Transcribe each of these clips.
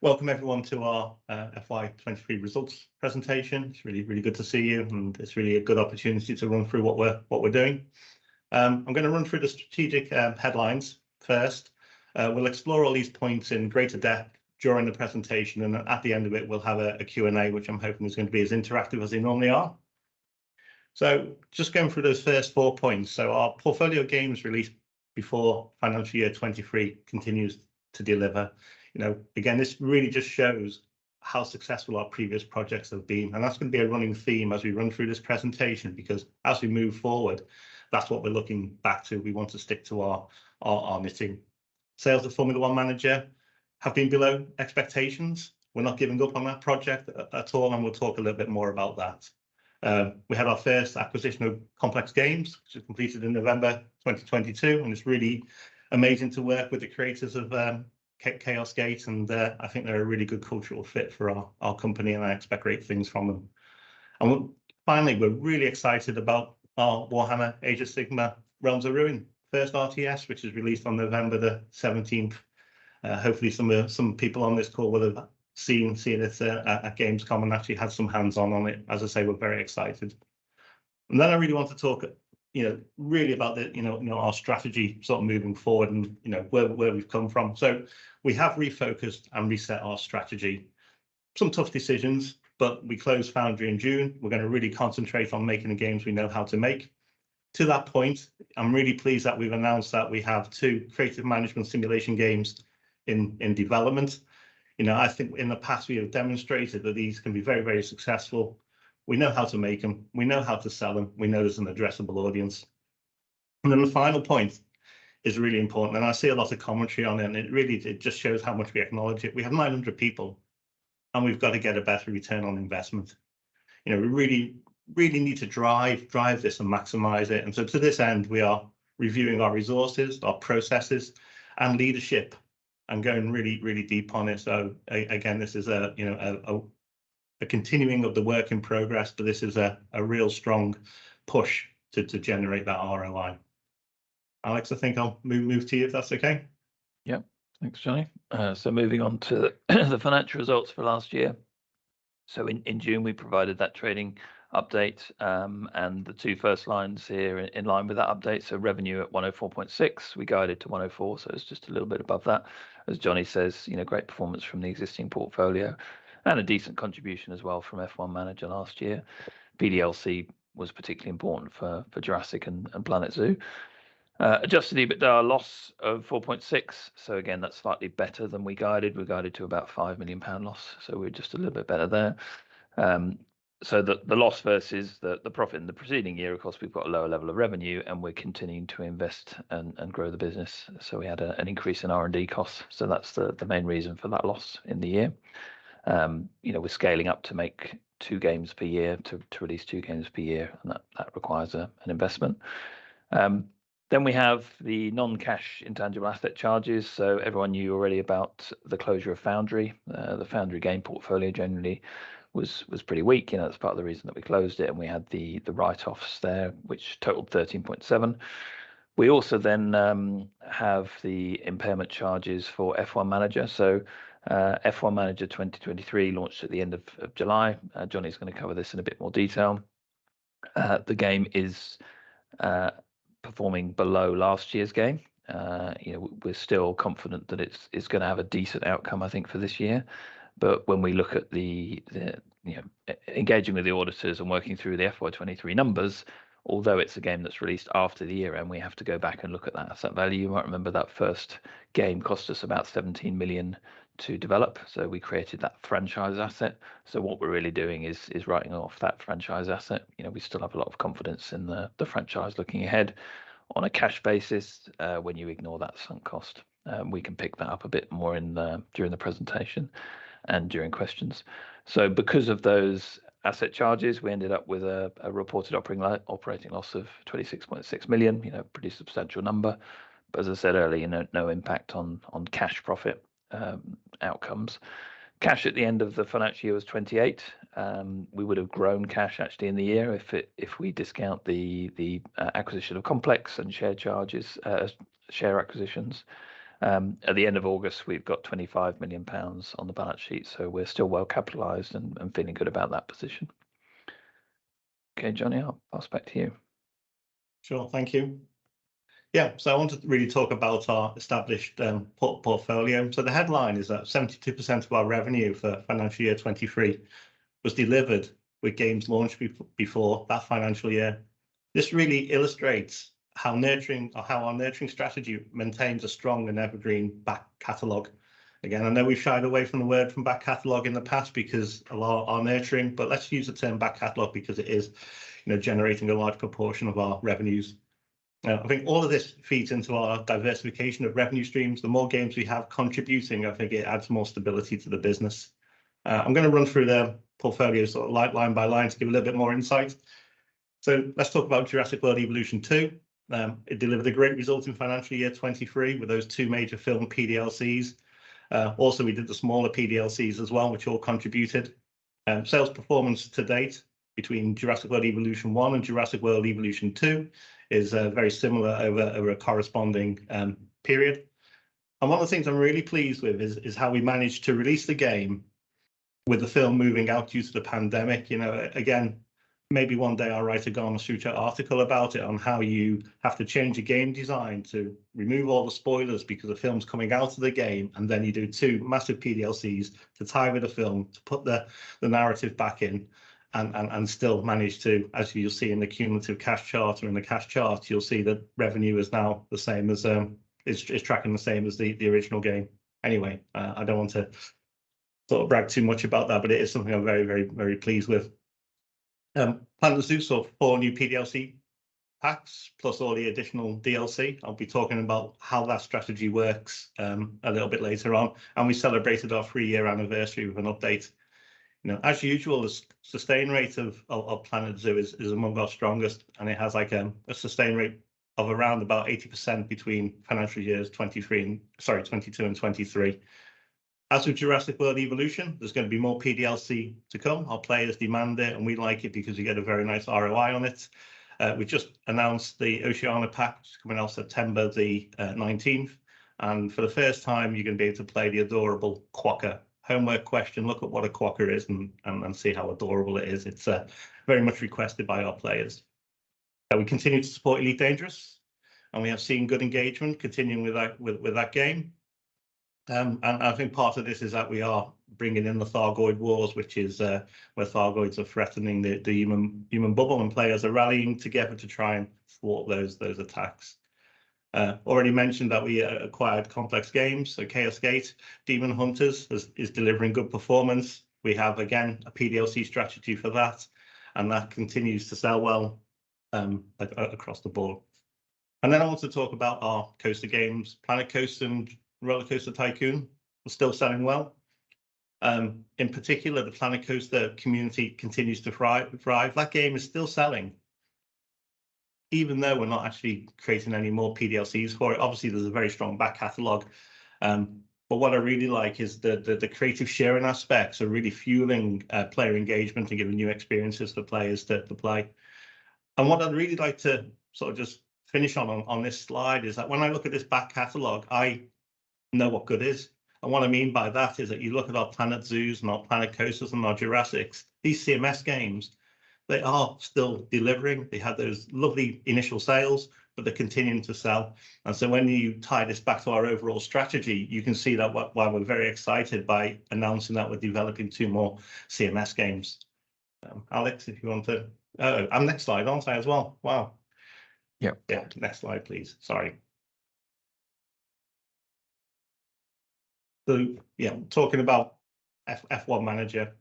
Welcome everyone to our FY 2023 Results Presentation. It's really, really good to see you, and it's really a good opportunity to run through what we're doing. I'm gonna run through the strategic headlines first. We'll explore all these points in greater depth during the presentation, and then at the end of it, we'll have a Q&A, which I'm hoping is gonna be as interactive as they normally are. So just going through those first 4 points. So our portfolio of games released before financial year 2023 continues to deliver. You know, again, this really just shows how successful our previous projects have been, and that's gonna be a running theme as we run through this presentation, because as we move forward, that's what we're looking back to. We want to stick to our mission. Sales of Formula One Manager have been below expectations. We're not giving up on that project at all, and we'll talk a little bit more about that. We had our first acquisition of Complex Games, which was completed in November 2022, and it's really amazing to work with the creators of Chaos Gate, and I think they're a really good cultural fit for our company, and I expect great things from them. Finally, we're really excited about our Warhammer Age of Sigmar: Realms of Ruin, first RTS, which was released on November the 17th. Hopefully some people on this call will have seen it at Gamescom and actually had some hands-on on it. As I say, we're very excited. Then I really want to talk, you know, really about the, you know, you know, our strategy sort of moving forward and, you know, where, where we've come from. We have refocused and reset our strategy. Some tough decisions, but we closed Foundry in June. We're gonna really concentrate on making the games we know how to make. To that point, I'm really pleased that we've announced that we have two creative management simulation games in, in development. You know, I think in the past we have demonstrated that these can be very, very successful. We know how to make them, we know how to sell them, we know there's an addressable audience. Then the final point is really important, and I see a lot of commentary on it, and it really, it just shows how much we acknowledge it. We have 900 people, and we've got to get a better return on investment. You know, we really, really need to drive this and maximize it, and so to this end, we are reviewing our resources, our processes, and leadership, and going really, really deep on it. So again, this is a, you know, continuing of the work in progress, but this is a real strong push to generate that ROI. Alex, I think I'll move to you, if that's okay? Yep. Thanks, Jonny. So moving on to the financial results for last year. In June, we provided that trading update, and the two first lines here are in line with that update. So revenue at 104.6. We guided to 104, so it's just a little bit above that. As Jonny says, you know, great performance from the existing portfolio, and a decent contribution as well from F1 Manager last year. PDLC was particularly important for Jurassic and Planet Zoo. Adjusted EBITDA loss of 4.6, so again, that's slightly better than we guided. We guided to about 5 million pound loss, so we're just a little bit better there. So the loss versus the profit in the preceding year, of course, we've got a lower level of revenue, and we're continuing to invest and grow the business, so we had an increase in R&D costs, so that's the main reason for that loss in the year. You know, we're scaling up to make two games per year, to release two games per year, and that requires an investment. Then we have the non-cash intangible asset charges, so everyone knew already about the closure of Foundry. The Foundry game portfolio generally was pretty weak. You know, that's part of the reason that we closed it, and we had the write-offs there, which totaled 13.7 million. We also then have the impairment charges for F1 Manager. F1 Manager 2023 launched at the end of July. Jonny's gonna cover this in a bit more detail. The game is performing below last year's game. You know, we're still confident that it's gonna have a decent outcome, I think, for this year. But when we look at the... You know, engaging with the auditors and working through the FY 2023 numbers, although it's a game that's released after the year, and we have to go back and look at that asset value, you might remember that first game cost us about 17 million to develop, so we created that franchise asset. So what we're really doing is writing off that franchise asset. You know, we still have a lot of confidence in the franchise looking ahead on a cash basis, when you ignore that sunk cost. We can pick that up a bit more during the presentation and during questions. So because of those asset charges, we ended up with a reported operating loss of 26.6 million, you know, pretty substantial number. But as I said earlier, no impact on cash profit outcomes. Cash at the end of the financial year was 28 million. We would have grown cash actually in the year if we discount the acquisition of Complex and share charges, share acquisitions. At the end of August, we've got 25 million pounds on the balance sheet, so we're still well-capitalized and feeling good about that position. Okay, Jonny, I'll pass back to you. Sure, thank you. Yeah, so I want to really talk about our established portfolio. So the headline is that 72% of our revenue for financial year 2023 was delivered with games launched before that financial year. This really illustrates how nurturing, or how our nurturing strategy maintains a strong and evergreen back catalog. Again, I know we've shied away from the word, from back catalog in the past, because a lot of our nurturing, but let's use the term back catalog because it is, you know, generating a large proportion of our revenues. Now, I think all of this feeds into our diversification of revenue streams. The more games we have contributing, I think it adds more stability to the business. I'm gonna run through the portfolio sort of line, line by line to give a little bit more insight. So let's talk about Jurassic World Evolution 2. It delivered a great result in financial year 2023, with those two major film PDLCs. Also, we did the smaller PDLCs as well, which all contributed. Sales performance to date between Jurassic World Evolution and Jurassic World Evolution 2 is very similar over a corresponding period. And one of the things I'm really pleased with is how we managed to release the game with the film moving out due to the pandemic. You know, again, maybe one day I'll write a Gamasutra article about it, on how you have to change a game design to remove all the spoilers because the film's coming out of the game, and then you do two massive DLCs to tie with the film, to put the narrative back in, and still manage to, as you'll see in the cumulative cash chart or in the cash chart, you'll see the revenue is now the same as is tracking the same as the original game. Anyway, I don't want to sort of brag too much about that, but it is something I'm very, very, very pleased with. Planet Zoo, so four new PDLC packs, plus all the additional DLC. I'll be talking about how that strategy works, a little bit later on, and we celebrated our three-year anniversary with an update. You know, as usual, the sustain rate of Planet Zoo is among our strongest, and it has a sustain rate of around 80% between financial years 2022 and 2023. As with Jurassic World Evolution, there's gonna be more PDLC to come. Our players demand it, and we like it because we get a very nice ROI on it. We've just announced the Oceania Pack, which is coming out September the nineteenth, and for the first time, you're gonna be able to play the adorable quokka. Homework question: look up what a quokka is and see how adorable it is. It's very much requested by our players. We continue to support Elite Dangerous, and we have seen good engagement continuing with that, with that game. And I think part of this is that we are bringing in the Thargoid Wars, which is where Thargoids are threatening the human bubble, and players are rallying together to try and thwart those attacks. Already mentioned that we acquired Complex Games, so Chaos Gate: Daemonhunters is delivering good performance. We have, again, a PDLC strategy for that, and that continues to sell well across the board. And then I want to talk about our Coaster games. Planet Coaster and RollerCoaster Tycoon are still selling well. In particular, the Planet Coaster community continues to thrive. That game is still selling, even though we're not actually creating any more PDLCs for it. Obviously, there's a very strong back catalog, but what I really like is the creative sharing aspects are really fueling player engagement and giving new experiences for players to play. And what I'd really like to sort of just finish on this slide is that when I look at this back catalog, I know what good is. And what I mean by that is that you look at our Planet Zoos and our Planet Coasters and our Jurassics, these CMS games, they are still delivering. They had those lovely initial sales, but they're continuing to sell. And so when you tie this back to our overall strategy, you can see that why we're very excited by announcing that we're developing two more CMS games. Alex, if you want to... Oh, and next slide, aren't I, as well? Wow. Yeah. Yeah. Next slide, please. Sorry. So, yeah, talking about F1 Manager.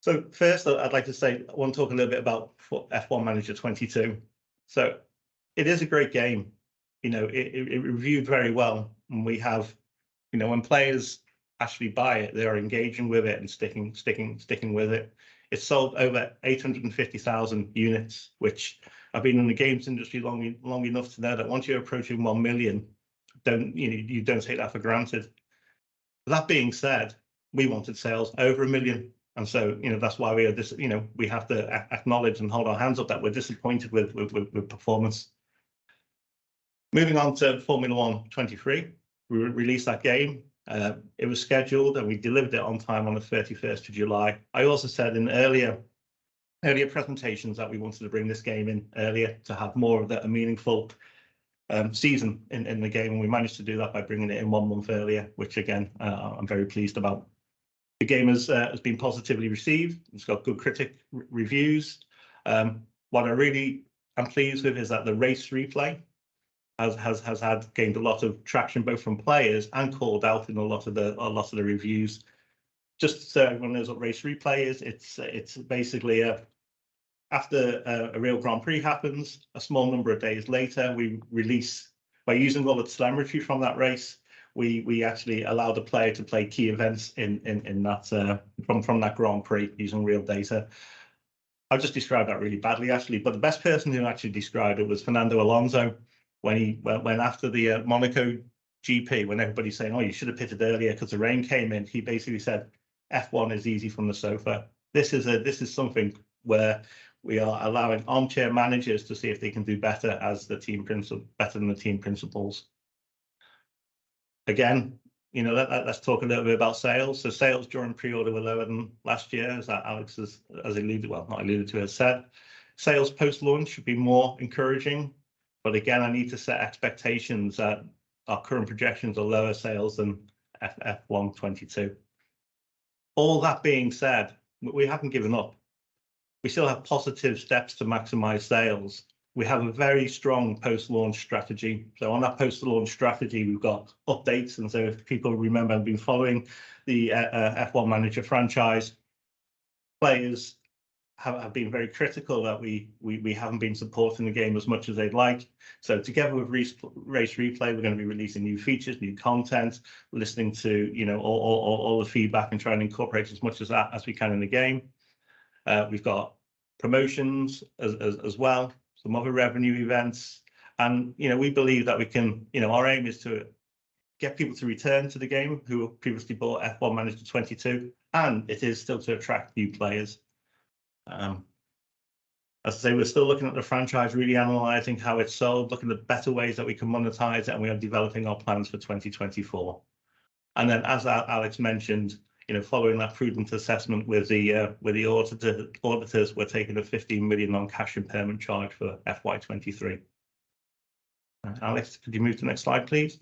So first, I'd like to say, I want to talk a little bit about F1 Manager 2022. So it is a great game. You know, it reviewed very well, and we have... You know, when players actually buy it, they are engaging with it and sticking with it. It's sold over 850,000 units, which I've been in the games industry long enough to know that once you're approaching 1 million, you don't take that for granted. That being said, we wanted sales over 1 million, and so, you know, that's why we are disappointed. You know, we have to acknowledge and hold our hands up that we're disappointed with performance. Moving on to F1 Manager 2023, we released that game. It was scheduled, and we delivered it on time on the thirty-first of July. I also said in earlier presentations that we wanted to bring this game in earlier to have more of a meaningful season in the game, and we managed to do that by bringing it in one month earlier, which again, I'm very pleased about. The game has been positively received. It's got good critic reviews. What I really am pleased with is that the Race Replay has gained a lot of traction, both from players and called out in a lot of the reviews. Just so everyone knows what Race Replay is, it's basically after a real Grand Prix happens, a small number of days later, we release, by using all the telemetry from that race, we actually allow the player to play key events in that from that Grand Prix using real data. I've just described that really badly, actually, but the best person who actually described it was Fernando Alonso when he, after the Monaco GP, when everybody's saying, "Oh, you should have pitted earlier because the rain came in," he basically said, "F1 is easy from the sofa." This is something where we are allowing armchair managers to see if they can do better as the team principal, better than the team principals. Again, you know, let's talk a little bit about sales. So sales during pre-order were lower than last year, as Alex has alluded, well, not alluded to, has said. Sales post-launch should be more encouraging, but again, I need to set expectations that our current projections are lower sales than F1 22. All that being said, we haven't given up. We still have positive steps to maximize sales. We have a very strong post-launch strategy. So on that post-launch strategy, we've got updates, and so if people remember, have been following the F1 Manager franchise, players have been very critical that we haven't been supporting the game as much as they'd like. So together with Race Replay, we're gonna be releasing new features, new content. We're listening to, you know, all the feedback and trying to incorporate as much as that as we can in the game. We've got promotions as well, some other revenue events, and, you know, we believe that we can. You know, our aim is to get people to return to the game who have previously bought F1 Manager '22, and it is still to attract new players. As I say, we're still looking at the franchise, really analyzing how it's sold, looking at better ways that we can monetize it, and we are developing our plans for 2024. And then, as Alex mentioned, you know, following that prudent assessment with the auditor, auditors, we're taking a 15 million non-cash impairment charge for FY 2023. Alex, could you move to the next slide, please?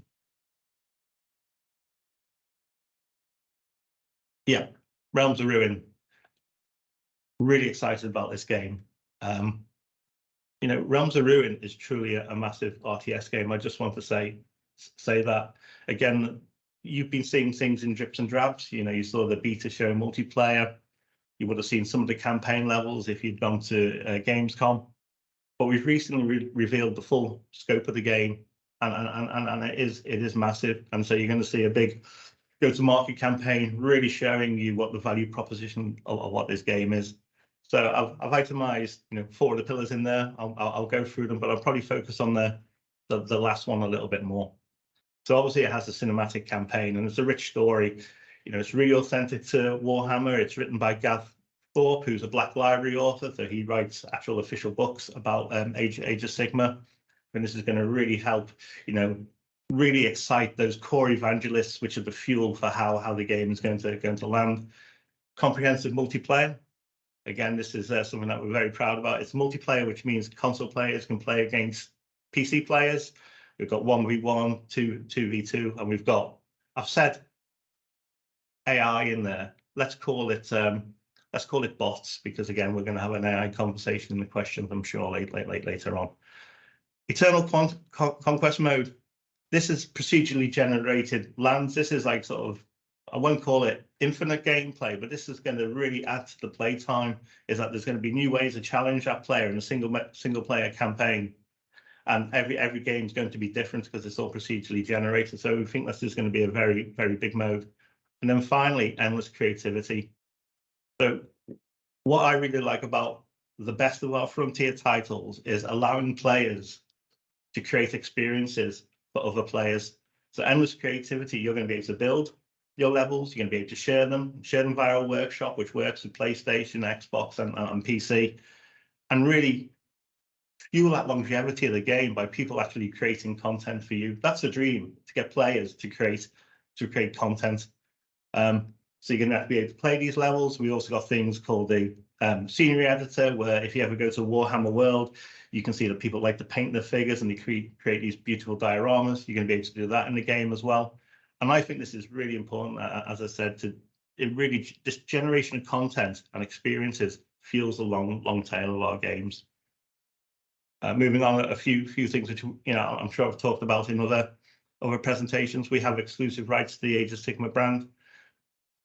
Yeah. Realms of Ruin. Really excited about this game. You know, Realms of Ruin is truly a massive RTS game. I just want to say that. Again, you've been seeing things in drips and drops. You know, you saw the beta show multiplayer. You would have seen some of the campaign levels if you'd gone to Gamescom. But we've recently re-revealed the full scope of the game, and it is massive, and so you're gonna see a big go-to-market campaign really showing you what the value proposition of what this game is. So I've itemized, you know, four of the pillars in there. I'll go through them, but I'll probably focus on the last one a little bit more. So obviously, it has a cinematic campaign, and it's a rich story. You know, it's real authentic to Warhammer. It's written by Gav Thorpe, who's a Black Library author, so he writes actual official books about Age of Sigmar, and this is gonna really help, you know, really excite those core evangelists, which are the fuel for how the game is going to land. Comprehensive multiplayer, again, this is something that we're very proud about. It's multiplayer, which means console players can play against PC players. We've got 1v1, 2v2, and we've got... I've said AI in there. Let's call it bots because, again, we're gonna have an AI conversation in the questions, I'm sure, later on. Eternal Conquest Mode, this is procedurally generated lands. This is, like, sort of, I won't call it infinite gameplay, but this is gonna really add to the play time, is that there's gonna be new ways to challenge that player in a single-player campaign, and every game is going to be different 'cause it's all procedurally generated, so we think this is gonna be a very, very big mode. And then finally, endless creativity. So what I really like about the best of our Frontier titles is allowing players to create experiences for other players. So endless creativity, you're gonna be able to build your levels, you're gonna be able to share them via our workshop, which works with PlayStation, Xbox, and PC, and really fuel that longevity of the game by people actually creating content for you. That's a dream, to get players to create content. So you're gonna have to be able to play these levels. We've also got things called a scenery editor, where if you ever go to Warhammer World, you can see that people like to paint their figures, and you create these beautiful dioramas. You're gonna be able to do that in the game as well. And I think this is really important, as I said, to... It really, this generation of content and experiences fuels the long, long tail of our games. Moving on, a few things which, you know, I'm sure I've talked about in other presentations. We have exclusive rights to the Age of Sigmar brand.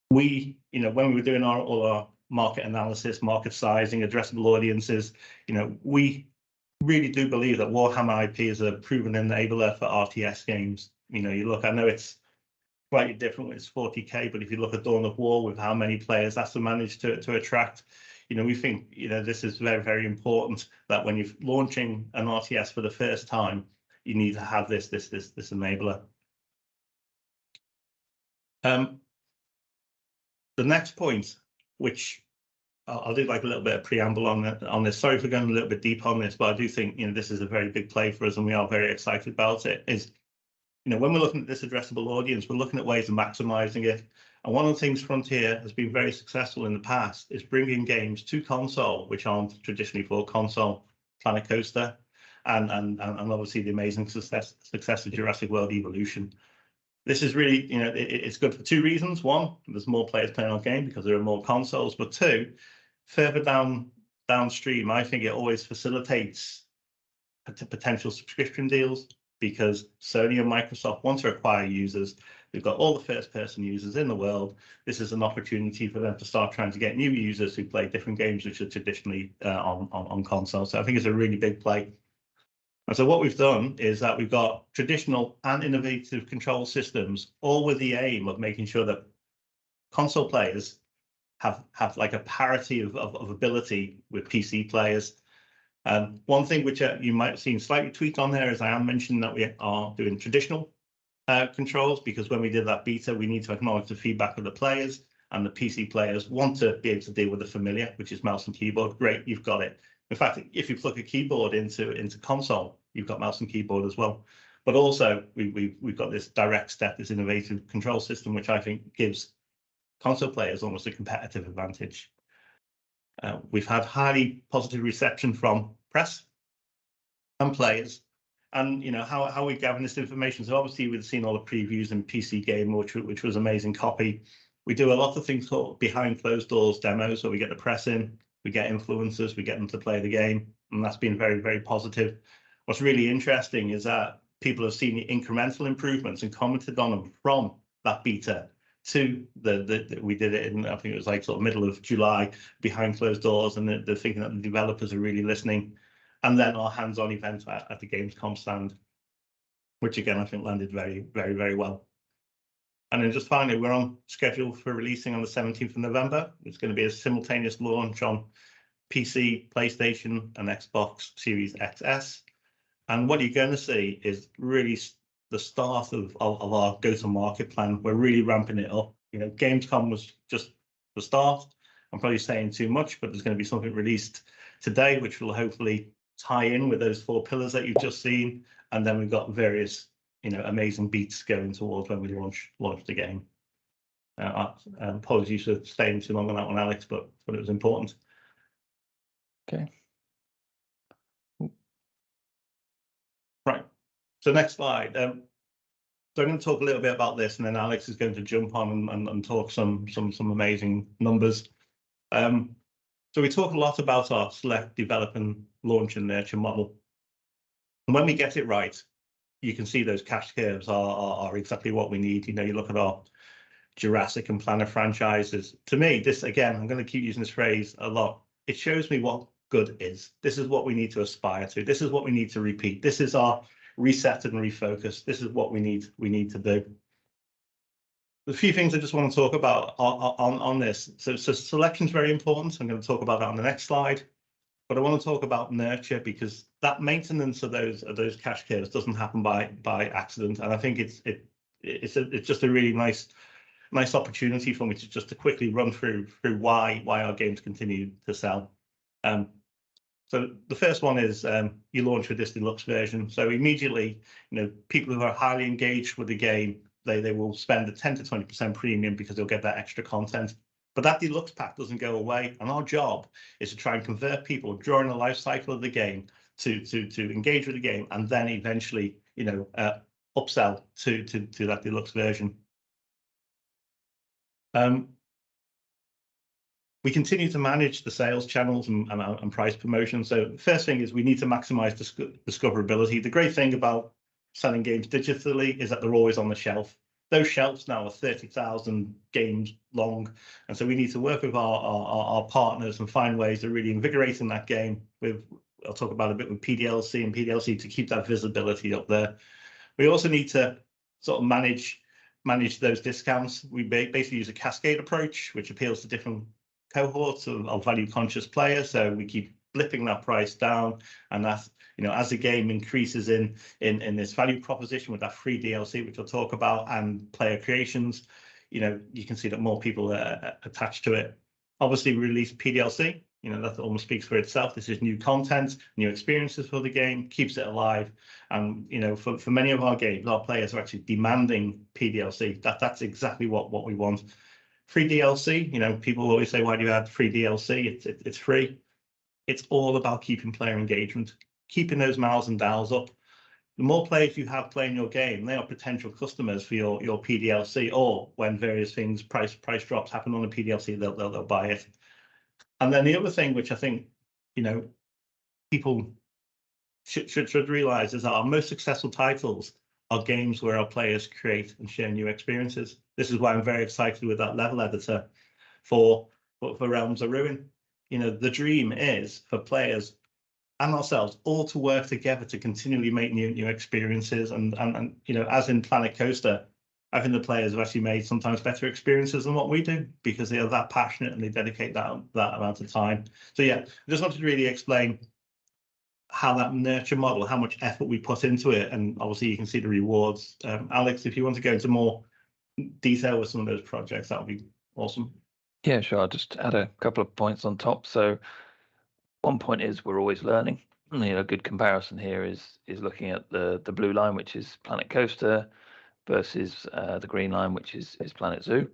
We, you know, when we were doing our, all our market analysis, market sizing, addressable audiences, you know, we really do believe that Warhammer IP is a proven enabler for RTS games. You know, you look, I know it's quite different with 40K, but if you look at Dawn of War, with how many players that's managed to attract, you know, we think, you know, this is very, very important, that when you're launching an RTS for the first time, you need to have this enabler. The next point, which I'll do, like, a little bit of preamble on, on this, sorry for going a little bit deep on this, but I do think, you know, this is a very big play for us, and we are very excited about it, is, you know, when we're looking at this addressable audience, we're looking at ways of maximizing it, and one of the things Frontier has been very successful in the past is bringing games to console, which aren't traditionally for a console, Planet Coaster, and obviously, the amazing success of Jurassic World Evolution. This is really, you know. It's good for two reasons. One, there's more players playing our game because there are more consoles, but two, further down, downstream, I think it always facilitates potential subscription deals because Sony and Microsoft want to acquire users. They've got all the first-person users in the world. This is an opportunity for them to start trying to get new users who play different games which are traditionally on consoles. So I think it's a really big play. And so what we've done is that we've got traditional and innovative control systems, all with the aim of making sure that console players have like a parity of ability with PC players. One thing which you might have seen slightly tweaked on there is I am mentioning that we are doing traditional controls, because when we did that beta, we need to acknowledge the feedback of the players, and the PC players want to be able to deal with the familiar, which is mouse and keyboard. Great, you've got it. In fact, if you plug a keyboard into console, you've got mouse and keyboard as well. But also, we've got this DirectStep, this innovative control system, which I think gives console players almost a competitive advantage. We've had highly positive reception from press and players, and you know, how we gather this information? So obviously, we've seen all the previews in PC Gamer, which was amazing copy. We do a lot of things, sort of, behind closed doors demos, where we get the press in, we get influencers, we get them to play the game, and that's been very, very positive. What's really interesting is that people have seen the incremental improvements and commented on them from that beta to the, the... We did it in, I think it was, like, sort of middle of July, behind closed doors, and they're thinking that the developers are really listening. And then our hands-on event at the Gamescom stand, which again, I think landed very, very, very well, and then just finally, we're on schedule for releasing on the seventeenth of November. It's gonna be a simultaneous launch on PC, PlayStation, and Xbox Series X|S. And what you're gonna see is really the start of our go-to-market plan. We're really ramping it up. You know, Gamescom was just the start. I'm probably saying too much, but there's gonna be something released today, which will hopefully tie in with those four pillars that you've just seen, and then we've got various, you know, amazing beats going towards when we launch, launch the game. Apologies for staying too long on that one, Alex, but it was important. Okay. Right, so next slide. So I'm gonna talk a little bit about this, and then Alex is going to jump on and talk some amazing numbers. So we talk a lot about our select, develop, and launch, and nurture model. And when we get it right, you can see those cash curves are exactly what we need. You know, you look at our Jurassic and Planet franchises. To me, this, again, I'm gonna keep using this phrase a lot, it shows me what good is. This is what we need to aspire to. This is what we need to repeat. This is our reset and refocus. This is what we need, we need to do. A few things I just wanna talk about on this. So selection's very important, so I'm gonna talk about that on the next slide. But I wanna talk about nurture because that maintenance of those cash curves doesn't happen by accident, and I think it's just a really nice opportunity for me to just quickly run through why our games continue to sell. So the first one is you launch a Digital Deluxe version. So immediately, you know, people who are highly engaged with the game, they will spend a 10%-20% premium because they'll get that extra content, but that Deluxe pack doesn't go away. And our job is to try and convert people during the life cycle of the game to engage with the game, and then eventually, you know, upsell to that Deluxe version. We continue to manage the sales channels and price promotions. So the first thing is we need to maximize discoverability. The great thing about selling games digitally is that they're always on the shelf. Those shelves now are 30,000 games long, and so we need to work with our partners and find ways of really invigorating that game. We've... I'll talk about a bit with PDLC, and PDLC to keep that visibility up there. We also need to sort of manage those discounts. We basically use a cascade approach, which appeals to different cohorts of value-conscious players, so we keep flipping that price down, and that's, you know, as the game increases in this value proposition with that free DLC, which I'll talk about, and player creations, you know, you can see that more people are attached to it. Obviously, we release PDLC, you know, that almost speaks for itself. This is new content, new experiences for the game, keeps it alive and, you know, for many of our games, our players are actually demanding PDLC. That's exactly what we want. Free DLC, you know, people always say, "Why do you have free DLC? It's free." It's all about keeping player engagement, keeping those miles and dials up. The more players you have playing your game, they are potential customers for your PDLC, or when various things, price drops happen on a PDLC, they'll buy it. Then the other thing, which I think, you know, people should realize, is that our most successful titles are games where our players create and share new experiences. This is why I'm very excited with that level editor for Realms of Ruin. You know, the dream is for players and ourselves all to work together to continually make new experiences and, you know, as in Planet Coaster, I think the players have actually made sometimes better experiences than what we do because they are that passionate, and they dedicate that amount of time. So yeah, I just wanted to really explain how that nurture model, how much effort we put into it, and obviously, you can see the rewards. Alex, if you want to go into more detail with some of those projects, that would be awesome. Yeah, sure. I'll just add a couple of points on top. So one point is we're always learning. You know, a good comparison here is looking at the blue line, which is Planet Coaster, versus the green line, which is Planet Zoo.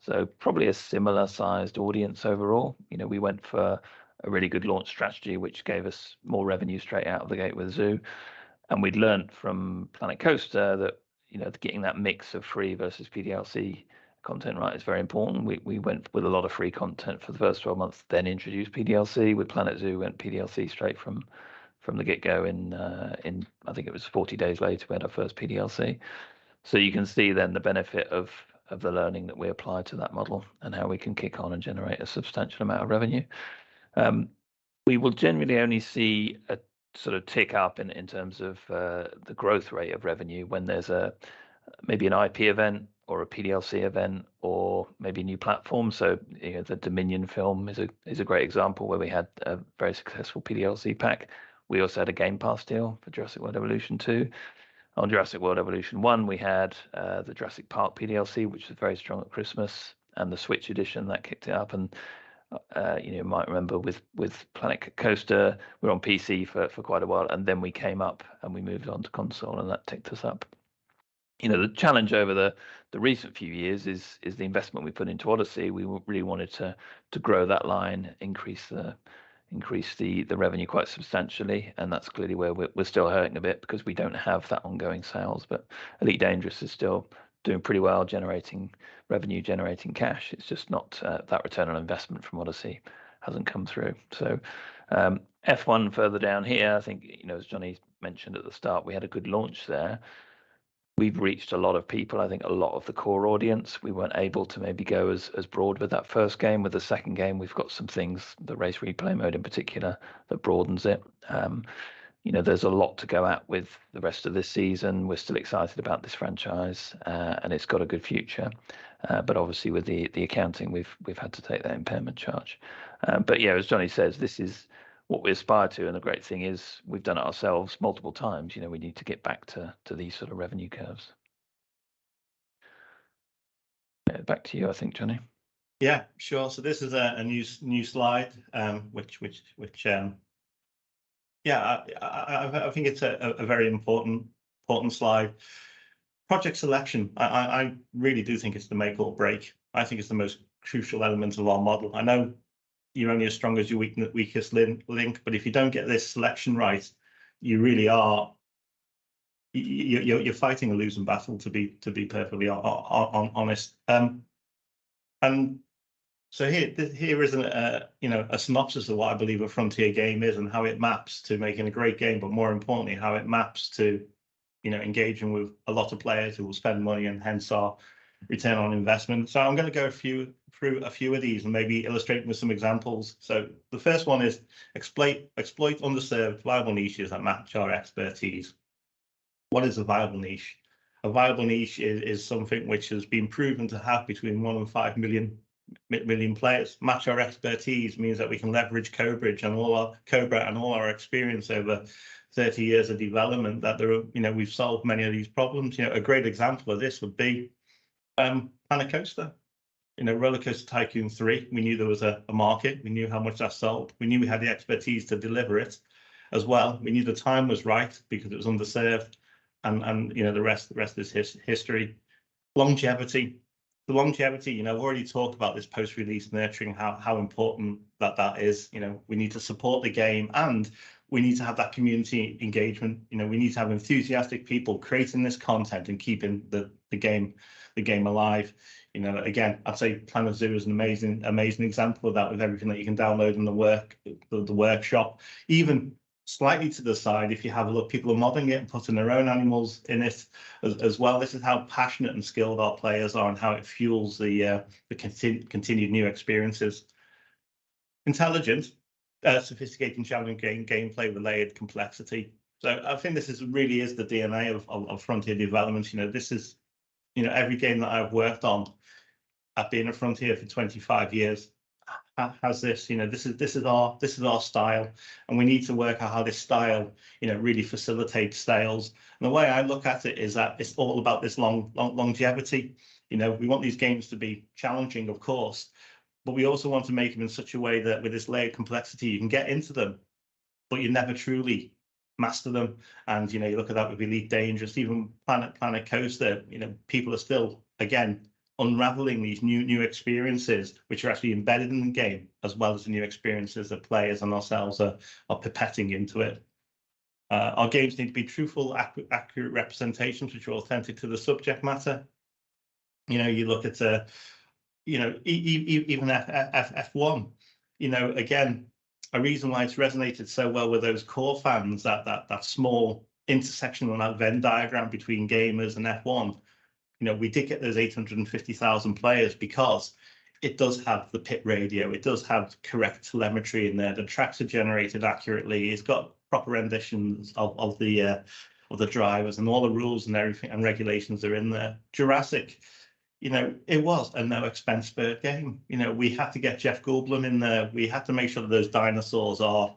So probably a similar-sized audience overall. You know, we went for a really good launch strategy, which gave us more revenue straight out of the gate with Zoo. And we'd learned from Planet Coaster that, you know, getting that mix of free versus PDLC content right is very important. We went with a lot of free content for the first 12 months, then introduced PDLC. With Planet Zoo, we went PDLC straight from the get-go. In, I think it was 40 days later, we had our first PDLC. So you can see then the benefit of the learning that we applied to that model and how we can kick on and generate a substantial amount of revenue. We will generally only see a sort of tick up in terms of the growth rate of revenue when there's maybe an IP event or a PDLC event or maybe a new platform. So, you know, the Dominion film is a great example where we had a very successful PDLC pack. We also had a Game Pass deal for Jurassic World Evolution 2. On Jurassic World Evolution 1, we had the Jurassic Park PDLC, which was very strong at Christmas, and the Switch edition, that kicked it up. And, you know, you might remember with Planet Coaster, we were on PC for quite a while, and then we came up, and we moved on to console, and that ticked us up. You know, the challenge over the recent few years is the investment we put into Odyssey. We really wanted to grow that line, increase the revenue quite substantially, and that's clearly where we're still hurting a bit because we don't have that ongoing sales. But Elite Dangerous is still doing pretty well, generating revenue, generating cash. It's just not that return on investment from Odyssey hasn't come through. So, F1 further down here, I think, you know, as Jonny mentioned at the start, we had a good launch there. We've reached a lot of people, I think a lot of the core audience. We weren't able to maybe go as broad with that first game. With the second game, we've got some things, the Race Replay mode in particular, that broadens it. You know, there's a lot to go at with the rest of this season. We're still excited about this franchise, and it's got a good future. But obviously, with the accounting, we've had to take that impairment charge. But yeah, as Jonny says, this is what we aspire to, and the great thing is we've done it ourselves multiple times. You know, we need to get back to these sort of revenue curves. Back to you, I think, Jonny. Yeah, sure. So this is a new slide, which... Yeah, I think it's a very important slide. Project selection, I really do think it's the make or break. I think it's the most crucial element of our model. I know you're only as strong as your weakest link, but if you don't get this selection right, you really are... you're fighting a losing battle, to be perfectly honest. And so here is an, you know, a synopsis of what I believe a Frontier game is and how it maps to making a great game, but more importantly, how it maps to, you know, engaging with a lot of players who will spend money, and hence our return on investment. So I'm gonna go through a few of these and maybe illustrate with some examples. So the first one is exploit underserved viable niches that match our expertise. What is a viable niche? A viable niche is something which has been proven to have between 1 and 5 million players. Match our expertise means that we can leverage Cobra and all our code, and all our experience over 30 years of development, that there are... You know, we've solved many of these problems. You know, a great example of this would be Planet Coaster. You know, RollerCoaster Tycoon 3, we knew there was a market, we knew how much that sold, we knew we had the expertise to deliver it as well. We knew the time was right because it was underserved, and, you know, the rest is history. Longevity. The longevity, you know, we've already talked about this post-release nurturing, how important that is. You know, we need to support the game, and we need to have that community engagement. You know, we need to have enthusiastic people creating this content and keeping the game alive. You know, again, I'd say Planet Zoo is an amazing example of that, with everything that you can download in the workshop. Even slightly to the side, if you have a look, people are modding it and putting their own animals in it as well. This is how passionate and skilled our players are and how it fuels the continued new experiences. Intelligent, sophisticated, challenging game, gameplay with layered complexity. So I think this is, really is the DNA of Frontier Developments. You know, this is, you know, every game that I've worked on, I've been at Frontier for 25 years, has this. You know, this is, this is our, this is our style, and we need to work out how this style, you know, really facilitates sales. And the way I look at it is that it's all about this long, longevity. You know, we want these games to be challenging, of course, but we also want to make them in such a way that with this layered complexity, you can get into them, but you never truly master them. You know, you look at that with Elite Dangerous, even Planet Coaster, you know, people are still, again, unraveling these new experiences, which are actually embedded in the game, as well as the new experiences that players and ourselves are puppeting into it. Our games need to be truthful, accurate representations, which are authentic to the subject matter. You know, you look at a, you know, even F1, you know, again, a reason why it's resonated so well with those core fans, that small intersection on that Venn diagram between gamers and F1, you know, we did get those 850,000 players because it does have the pit radio, it does have correct telemetry in there, the tracks are generated accurately, it's got proper renditions of the drivers, and all the rules and everything, and regulations are in there. Jurassic, you know, it was a no-expense-spared game. You know, we had to get Jeff Goldblum in there. We had to make sure that those dinosaurs are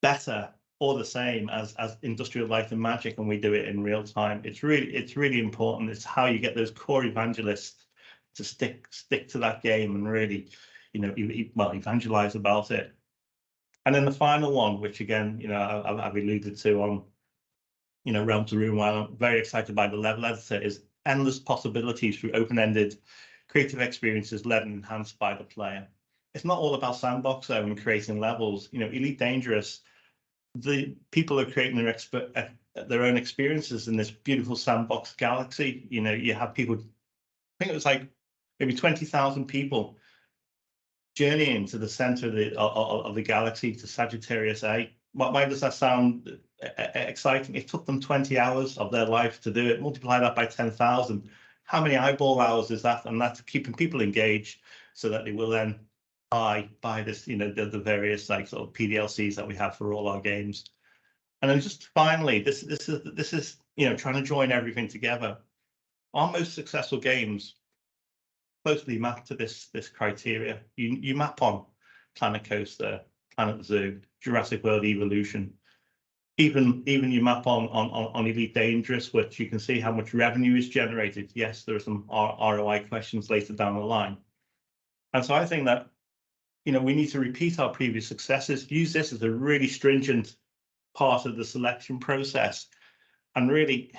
better or the same as Industrial Light & Magic, and we do it in real time. It's really, it's really important. It's how you get those core evangelists to stick, stick to that game and really, you know, well, evangelize about it. And then the final one, which, again, you know, I've alluded to on, you know, Realms of Ruin, while I'm very excited by the level editor, is endless possibilities through open-ended creative experiences led and enhanced by the player. It's not all about sandbox, though, and creating levels. You know, Elite Dangerous, the people are creating their expert, their own experiences in this beautiful sandbox galaxy. You know, you have people, I think it was, like, maybe 20,000 people journeying to the center of the galaxy, to Sagittarius A. Why, why does that sound exciting? It took them 20 hours of their life to do it. Multiply that by 10,000. How many eyeball hours is that? That's keeping people engaged so that they will then buy this, you know, the various, like, sort of, PDLCs that we have for all our games. Then just finally, this is, you know, trying to join everything together. Our most successful games closely map to this criteria. You map on Planet Coaster, Planet Zoo, Jurassic World Evolution, even you map on Elite Dangerous, which you can see how much revenue is generated. Yes, there are some ROI questions later down the line. So I think that, you know, we need to repeat our previous successes, use this as a really stringent part of the selection process. And really,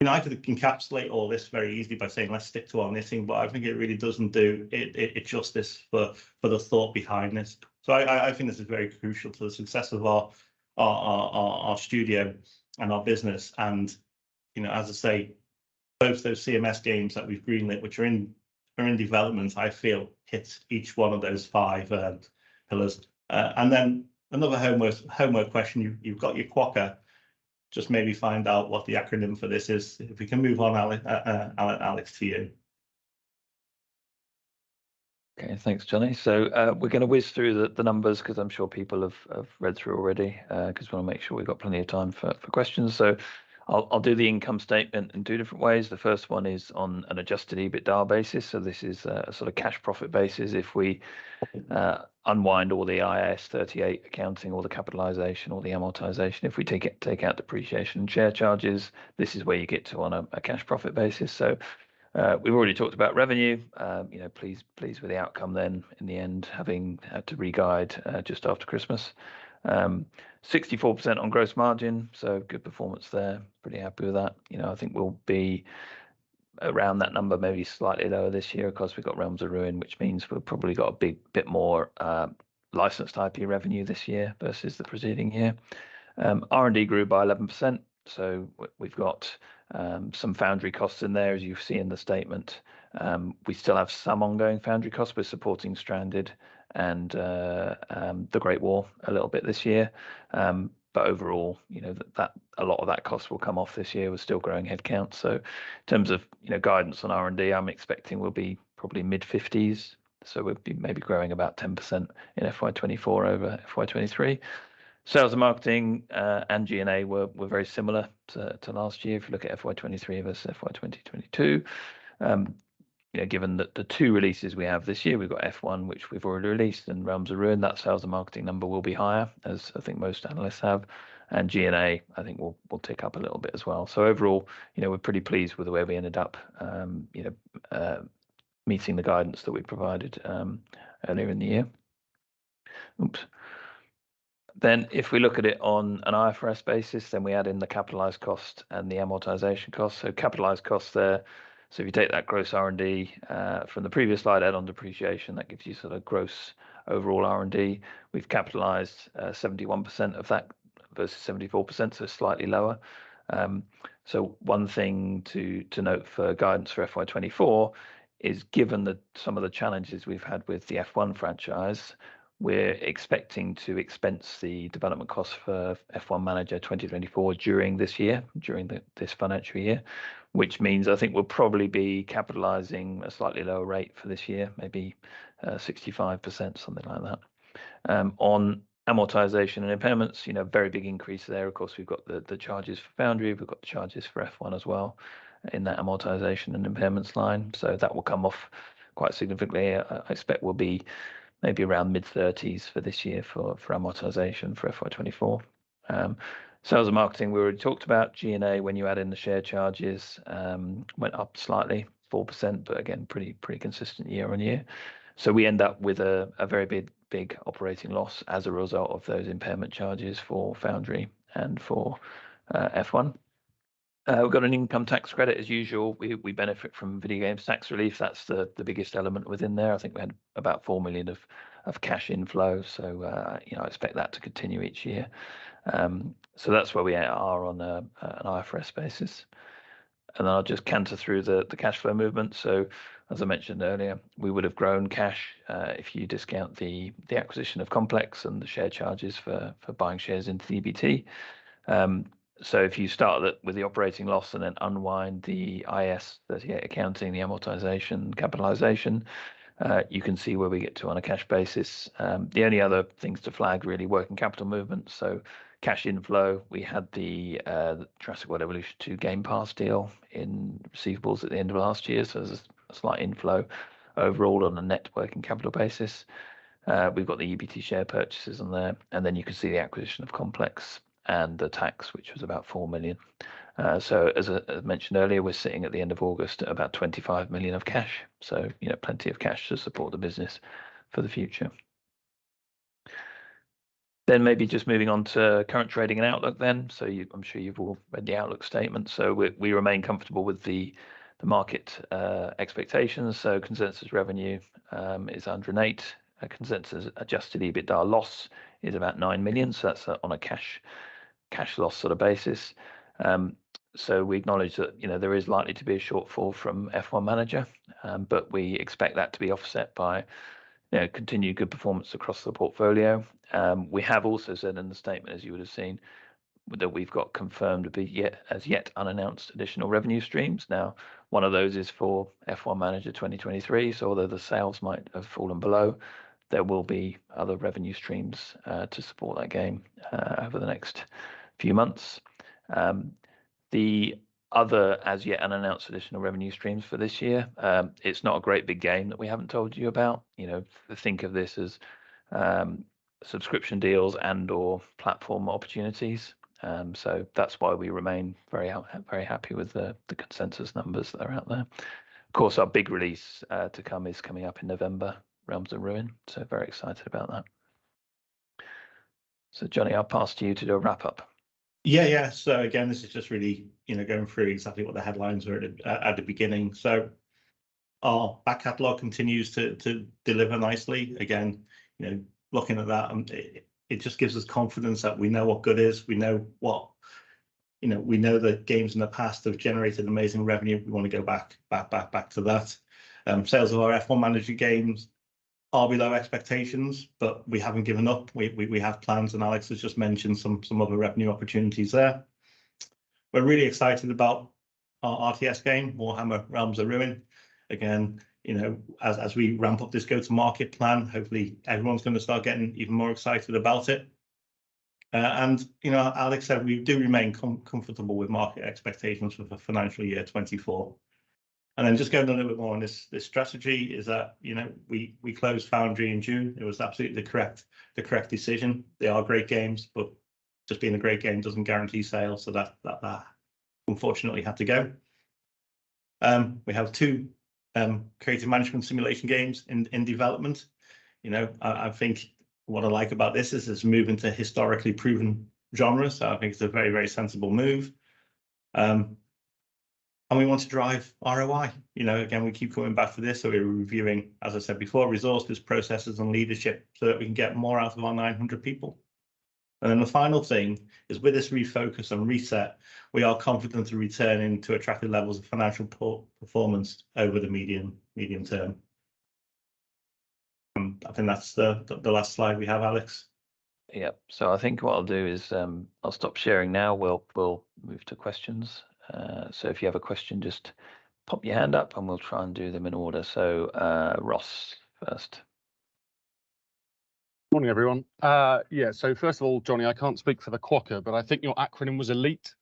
you know, I could encapsulate all this very easily by saying, "Let's stick to our knitting," but I think it really doesn't do it justice for the thought behind this. So I think this is very crucial to the success of our studio and our business. And, you know, as I say, both those CMS games that we've greenlit, which are in development, I feel hits each one of those five pillars. And then another homework question, you've got your quokka, just maybe find out what the acronym for this is. If we can move on, Alex, to you. Okay, thanks, Jonny. So we're gonna whiz through the numbers, 'cause I'm sure people have read through already, 'cause we wanna make sure we've got plenty of time for questions. So I'll do the income statement in two different ways. The first one is on an Adjusted EBITDA basis, so this is a sort of cash profit basis. If we unwind all the IAS 38 accounting, all the capitalization, all the amortization, if we take it- take out depreciation and share charges, this is where you get to on a cash profit basis. So we've already talked about revenue. You know, pleased with the outcome then, in the end, having had to re-guide just after Christmas. 64% on gross margin, so good performance there. Pretty happy with that. You know, I think we'll be around that number, maybe slightly lower this year, because we've got Realms of Ruin, which means we've probably got a big bit more licensed IP revenue this year, versus the preceding year. R&D grew by 11%, so we've got some foundry costs in there, as you see in the statement. We still have some ongoing foundry costs. We're supporting Stranded and The Great War a little bit this year. But overall, you know, a lot of that cost will come off this year. We're still growing head count, so in terms of, you know, guidance on R&D, I'm expecting we'll be probably mid-fifties, so we'll be maybe growing about 10% in FY 2024 over FY 2023. Sales and marketing and G&A were very similar to last year. If you look at FY 2023 versus FY 2022. You know, given that the two releases we have this year, we've got F1, which we've already released, and Realms of Ruin, that sales and marketing number will be higher, as I think most analysts have, and G&A, I think will tick up a little bit as well. So overall, you know, we're pretty pleased with the way we ended up, you know, meeting the guidance that we provided, earlier in the year. Oops. Then if we look at it on an IFRS basis, then we add in the capitalized cost and the amortization cost, so capitalized cost there. So if you take that gross R&D from the previous slide, add on depreciation, that gives you sort of gross overall R&D. We've capitalized 71% of that versus 74%, so slightly lower. So one thing to note for guidance for FY 2024 is, given some of the challenges we've had with the F1 franchise, we're expecting to expense the development costs for F1 Manager 2024 during this year, during this financial year, which means I think we'll probably be capitalizing a slightly lower rate for this year, maybe 65%, something like that. On amortization and impairments, you know, very big increase there. Of course, we've got the charges for Foundry, we've got the charges for F1 as well in that amortization and impairments line, so that will come off quite significantly. I expect we'll be maybe around mid-30s for this year for amortization for FY 2024. Sales and marketing, we already talked about G&A. When you add in the share charges, went up slightly, 4%, but again, pretty, pretty consistent year-on-year. So we end up with a very big, big operating loss as a result of those impairment charges for Foundry and for F1. We've got an income tax credit, as usual. We benefit from Video Games Tax Relief; that's the biggest element within there. I think we had about 4 million of cash inflow, so you know, expect that to continue each year. So that's where we are on an IFRS basis. I'll just run through the cash flow movement. So as I mentioned earlier, we would have grown cash, if you discount the acquisition of Complex and the share charges for buying shares into EBT. So if you start with the operating loss and then unwind the IAS 38 accounting, the amortization, capitalization, you can see where we get to on a cash basis. The only other things to flag, really, working capital movement, so cash inflow, we had the Jurassic World Evolution 2 Game Pass deal in receivables at the end of last year, so there's a slight inflow overall on a net working capital basis. We've got the EBT share purchases on there, and then you can see the acquisition of Complex and the tax, which was about 4 million. So as I mentioned earlier, we're sitting at the end of August at about 25 million of cash, so, you know, plenty of cash to support the business for the future. Then maybe just moving on to current trading and outlook then. So, I'm sure you've all read the outlook statement. So we remain comfortable with the market expectations. So consensus revenue is under 8 million GBP. Consensus Adjusted EBITDA loss is about 9 million GBP, so that's on a cash loss sort of basis. So we acknowledge that, you know, there is likely to be a shortfall from F1 Manager, but we expect that to be offset by, you know, continued good performance across the portfolio. We have also said in the statement, as you would have seen, that we've got confirmed, but yet, as yet unannounced additional revenue streams. Now, one of those is for F1 Manager 2023, so although the sales might have fallen below, there will be other revenue streams to support that game over the next few months. The other as yet unannounced additional revenue streams for this year, it's not a great big game that we haven't told you about. You know, think of this as subscription deals and/or platform opportunities. So that's why we remain very happy with the consensus numbers that are out there. Of course, our big release to come is coming up in November, Realms of Ruin, so very excited about that. So Jonny, I'll pass to you to do a wrap up. Yeah, yeah. So again, this is just really, you know, going through exactly what the headlines were at the beginning. Our back catalog continues to deliver nicely. Again, you know, looking at that, it just gives us confidence that we know what good is, we know what... You know, we know that games in the past have generated amazing revenue. We wanna go back, back, back, back to that. Sales of our F1 Manager games are below expectations, but we haven't given up. We have plans, and Alex has just mentioned some other revenue opportunities there. We're really excited about our RTS game, Warhammer: Realms of Ruin. Again, you know, as we ramp up this go-to-market plan, hopefully everyone's gonna start getting even more excited about it. And, you know, Alex said we do remain comfortable with market expectations for the financial year 2024. And then just going on a little bit more on this, this strategy, is that, you know, we closed Foundry in June. It was absolutely the correct decision. They are great games, but just being a great game doesn't guarantee sales, so that unfortunately had to go. We have two creative management simulation games in development. You know, I think what I like about this is it's moving to historically proven genres, so I think it's a very, very sensible move. And we want to drive ROI. You know, again, we keep coming back to this, so we're reviewing, as I said before, resources, processes, and leadership so that we can get more out of our 900 people. And then the final thing is, with this refocus and reset, we are confident in returning to attractive levels of financial performance over the medium term. I think that's the last slide we have, Alex. Yep. So I think what I'll do is, I'll stop sharing now. We'll move to questions. So if you have a question, just pop your hand up, and we'll try and do them in order. Ross first. Morning, everyone. Yeah, so first of all, Jonny, I can't speak for the quokka, but I think your acronym was Elite,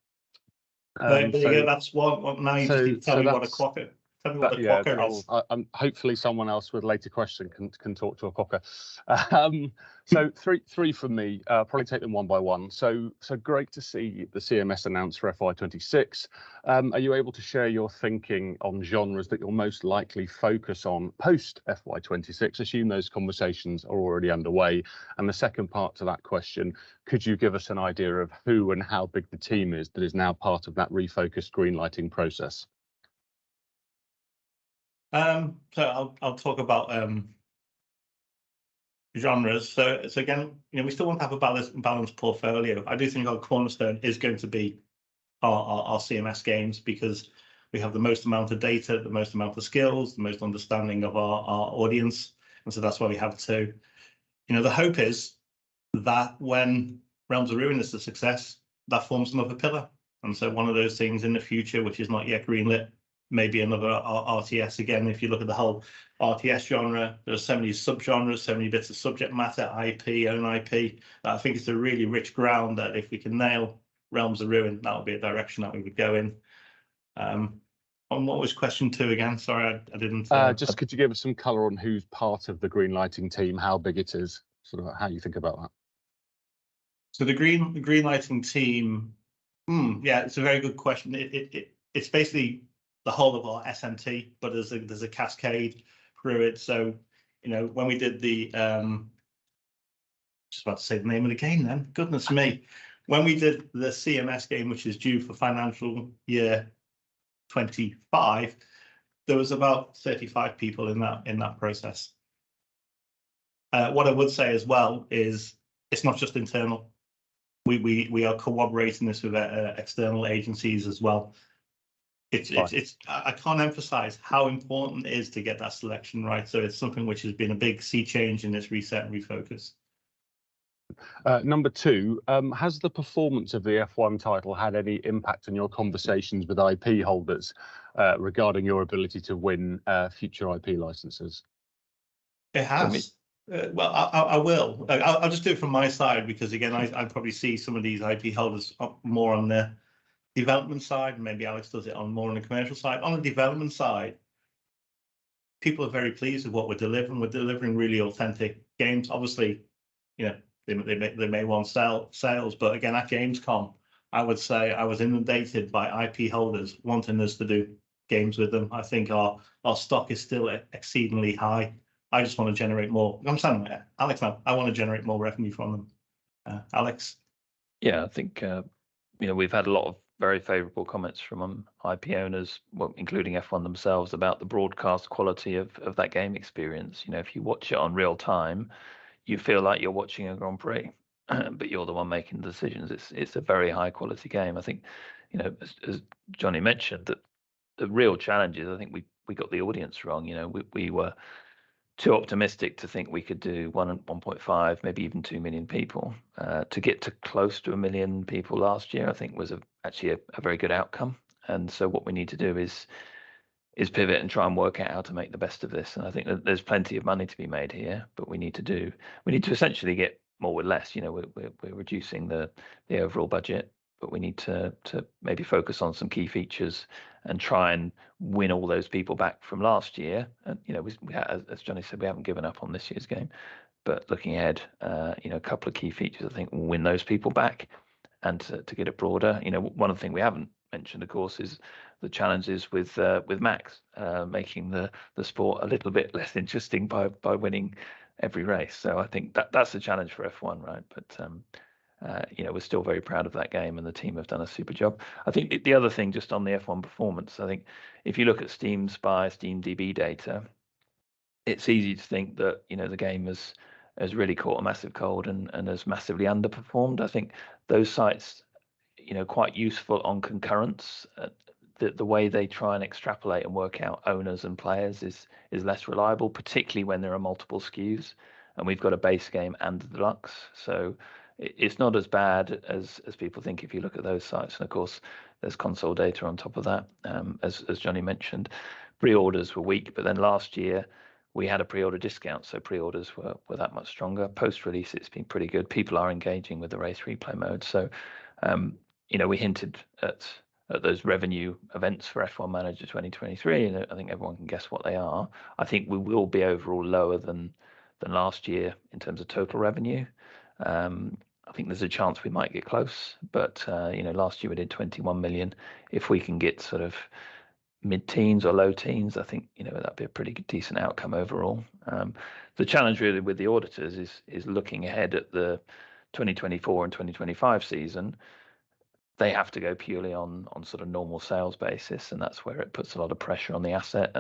so- Yeah, that's one. So that's- Now you need to tell me what a quokka is. Yeah, I'll hopefully someone else with a later question can talk to a quokka. So three from me. Probably take them one by one. So great to see the CMS announcement for FY 2026. Are you able to share your thinking on genres that you'll most likely focus on post FY 2026? I assume those conversations are already underway. And the second part to that question, could you give us an idea of who and how big the team is that is now part of that refocused greenlighting process? So I'll talk about genres. So again, you know, we still want to have a balanced portfolio. I do think our cornerstone is going to be our CMS games because we have the most amount of data, the most amount of skills, the most understanding of our audience, and so that's why we have two. You know, the hope is that when Realms of Ruin is a success, that forms another pillar, and so one of those things in the future, which is not yet greenlit, may be another RTS. Again, if you look at the whole RTS genre, there are so many subgenres, so many bits of subject matter, IP, own IP. I think it's a really rich ground that if we can nail Realms of Ruin, that would be a direction that we would go in. What was question two again? Sorry, I didn't, Just could you give us some color on who's part of the greenlighting team, how big it is, sort of how you think about that? So the greenlighting team... Yeah, it's a very good question. It's basically the whole of our SMT, but there's a cascade through it. So, you know, when we did the... Just about to say the name of the game then. Goodness me! When we did the CMS game, which is due for financial year 2025, there was about 35 people in that process. What I would say as well is it's not just internal. We are collaborating this with external agencies as well. Right. It's I can't emphasize how important it is to get that selection right, so it's something which has been a big sea change in this reset and refocus. Number two, has the performance of the F1 title had any impact on your conversations with IP holders regarding your ability to win future IP licenses? It has. Um- Well, I will. I'll just do it from my side because, again, I probably see some of these IP holders more on the development side, and maybe Alex does it on the commercial side. On the development side, people are very pleased with what we're delivering. We're delivering really authentic games. Obviously, you know, they may want sales, but again, at Gamescom, I would say I was inundated by IP holders wanting us to do games with them. I think our stock is still exceedingly high. I just wanna generate more... I'm saying, Alex, man, I wanna generate more revenue from them. Alex? Yeah, I think, you know, we've had a lot of very favorable comments from, IP owners, well, including F1 themselves, about the broadcast quality of that game experience. You know, if you watch it on real time, you feel like you're watching a Grand Prix, but you're the one making the decisions. It's a very high-quality game. I think, you know, as Jonny mentioned, that the real challenge is I think we got the audience wrong. You know, we were too optimistic to think we could do 1 million and 1.5 million, maybe even 2 million people. To get close to 1 million people last year, I think was actually a very good outcome, and so what we need to do is pivot and try and work out how to make the best of this, and I think that there's plenty of money to be made here, but we need to do—we need to essentially get more with less. You know, we're reducing the overall budget, but we need to maybe focus on some key features and try and win all those people back from last year. And, you know, as Jonny said, we haven't given up on this year's game. But looking ahead, you know, a couple of key features I think will win those people back and to get it broader. You know, one other thing we haven't mentioned, of course, is the challenges with, with Max, making the, the sport a little bit less interesting by, by winning every race. So I think that, that's a challenge for F1, right? But, you know, we're still very proud of that game, and the team have done a super job. I think the, the other thing, just on the F1 performance, I think if you look at Steam Spy, SteamDB data. It's easy to think that, you know, the game has, has really caught a massive cold and, and has massively underperformed. I think those sites, you know, quite useful on concurrency. The, the way they try and extrapolate and work out owners and players is, is less reliable, particularly when there are multiple SKUs, and we've got a base game and Deluxe. So it's not as bad as people think, if you look at those sites, and, of course, there's console data on top of that. As Jonny mentioned, pre-orders were weak, but then last year we had a pre-order discount, so pre-orders were that much stronger. Post-release, it's been pretty good. People are engaging with the Race Replay mode. So, you know, we hinted at those revenue events for F1 Manager 2023, and I think everyone can guess what they are. I think we will be overall lower than last year in terms of total revenue. I think there's a chance we might get close, but, you know, last year we did 21 million. If we can get sort of mid-teens or low teens, I think, you know, that'd be a pretty good, decent outcome overall. The challenge really with the auditors is looking ahead at the 2024 and 2025 season. They have to go purely on sort of normal sales basis, and that's where it puts a lot of pressure on the asset.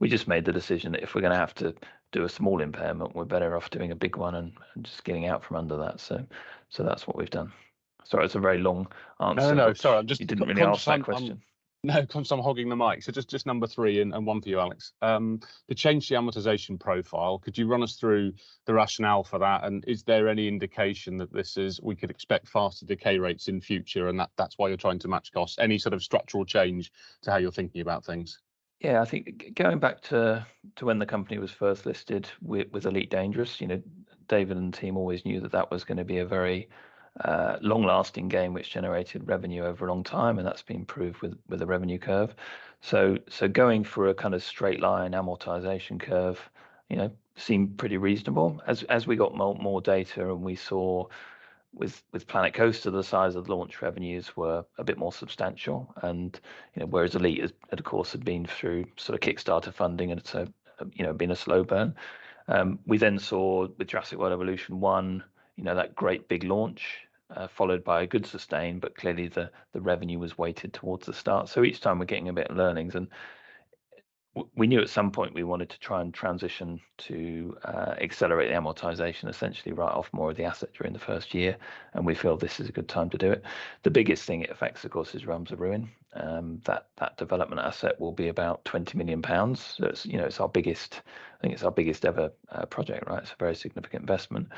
We just made the decision that if we're gonna have to do a small impairment, we're better off doing a big one and just getting out from under that. That's what we've done. Sorry, it's a very long answer. No, no, no. Sorry, I'm just- You didn't really ask that question. No, 'course I'm hogging the mic. So just number three, and one for you, Alex. The change to the amortization profile, could you run us through the rationale for that? And is there any indication that this is... we could expect faster decay rates in future, and that, that's why you're trying to match costs? Any sort of structural change to how you're thinking about things? Yeah, I think going back to, to when the company was first listed with, with Elite Dangerous, you know, David and the team always knew that that was gonna be a very, long-lasting game, which generated revenue over a long time, and that's been proved with, with the revenue curve. So, so going for a kind of straight line amortization curve, you know, seemed pretty reasonable. As we got more data and we saw with Planet Coaster, the size of the launch revenues were a bit more substantial, and, you know, whereas Elite, of course, had been through sort of Kickstarter funding, and so, you know, been a slow burn. We then saw with Jurassic World Evolution 1, you know, that great big launch, followed by a good sustain, but clearly, the revenue was weighted towards the start. Each time we're getting a bit of learnings. We knew at some point we wanted to try and transition to accelerate the amortization, essentially write off more of the asset during the first year, and we feel this is a good time to do it. The biggest thing it affects, of course, is Realms of Ruin. That development asset will be about 20 million pounds. So it's, you know, it's our biggest, I think it's our biggest ever project, right? It's a very significant investment.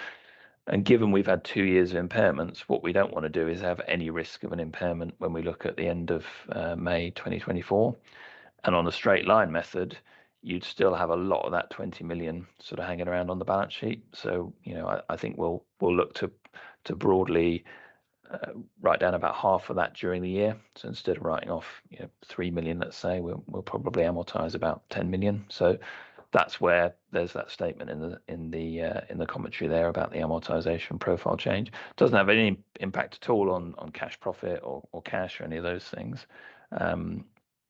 Given we've had two years of impairments, what we don't wanna do is have any risk of an impairment when we look at the end of May 2024. On a straight line method, you'd still have a lot of that 20 million sort of hanging around on the balance sheet. So, you know, I think we'll look to broadly write down about half of that during the year. So instead of writing off, you know, 3 million, let's say, we'll probably amortize about 10 million. So that's where there's that statement in the commentary there about the amortization profile change. Doesn't have any impact at all on cash profit or cash or any of those things.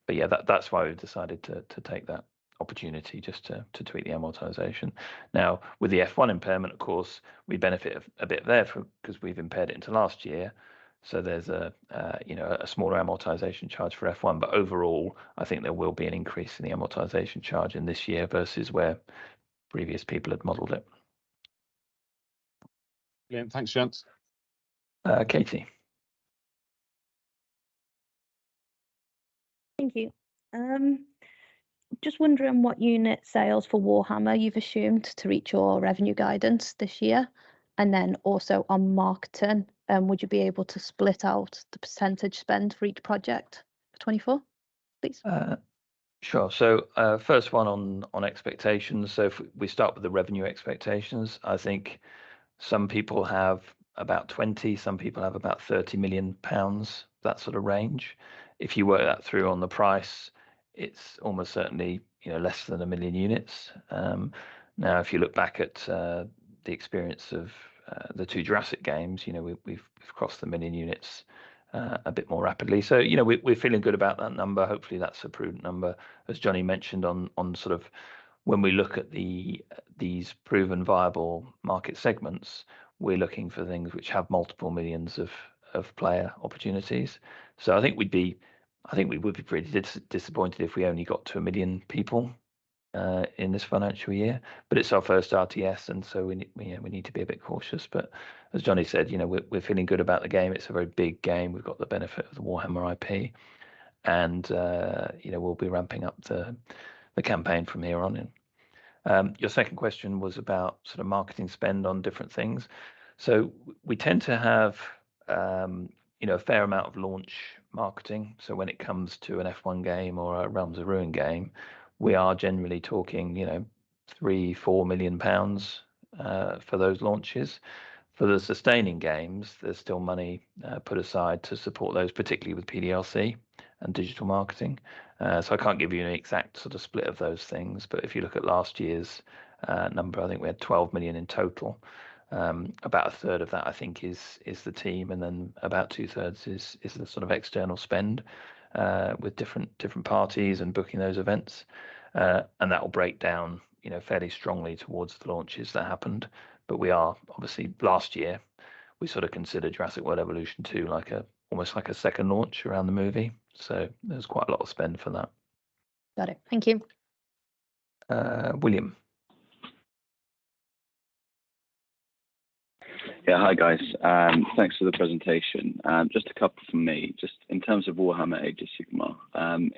But, yeah, that's why we've decided to take that opportunity just to tweak the amortization. Now, with the F1 impairment, of course, we benefit a bit there 'cause we've impaired it into last year. There's a, you know, a smaller amortization charge for F1, but overall, I think there will be an increase in the amortization charge in this year versus where previous people had modeled it. Yeah. Thanks, gents. Uh, Katie? Thank you. Just wondering what unit sales for Warhammer you've assumed to reach your revenue guidance this year? And then also on marketing, would you be able to split out the % spend for each project for 2024, please? Sure. First one, on expectations. So if we start with the revenue expectations, I think some people have about 20, some people have about 30 million pounds, that sort of range. If you work that through on the price, it's almost certainly, you know, less than 1 million units. Now, if you look back at the experience of the two Jurassic games, you know, we've crossed 1 million units a bit more rapidly. So, you know, we're feeling good about that number. Hopefully, that's a prudent number. As Jonny mentioned on sort of when we look at these proven viable market segments, we're looking for things which have multiple millions of player opportunities. So I think we would be pretty disappointed if we only got to 1 million people in this financial year. But it's our first RTS, and so we need to be a bit cautious. But as Jonny said, you know, we're feeling good about the game. It's a very big game. We've got the benefit of the Warhammer IP, and you know, we'll be ramping up the campaign from here on in. Your second question was about sort of marketing spend on different things. So we tend to have you know, a fair amount of launch marketing. So when it comes to an F1 game or a Realms of Ruin game, we are generally talking you know, 3-4 million pounds for those launches. For the sustaining games, there's still money put aside to support those, particularly with PDLC and digital marketing. So I can't give you an exact sort of split of those things, but if you look at last year's number, I think we had 12 million in total. About a third of that, I think, is the team, and then about two thirds is the sort of external spend with different parties and booking those events. And that will break down, you know, fairly strongly towards the launches that happened. But we are... Obviously, last year, we sort of considered Jurassic World Evolution 2 like a, almost like a second launch around the movie, so there was quite a lot of spend for that. Got it. Thank you. Uh, William? ... Yeah, hi, guys, thanks for the presentation. Just a couple from me. Just in terms of Warhammer Age of Sigmar,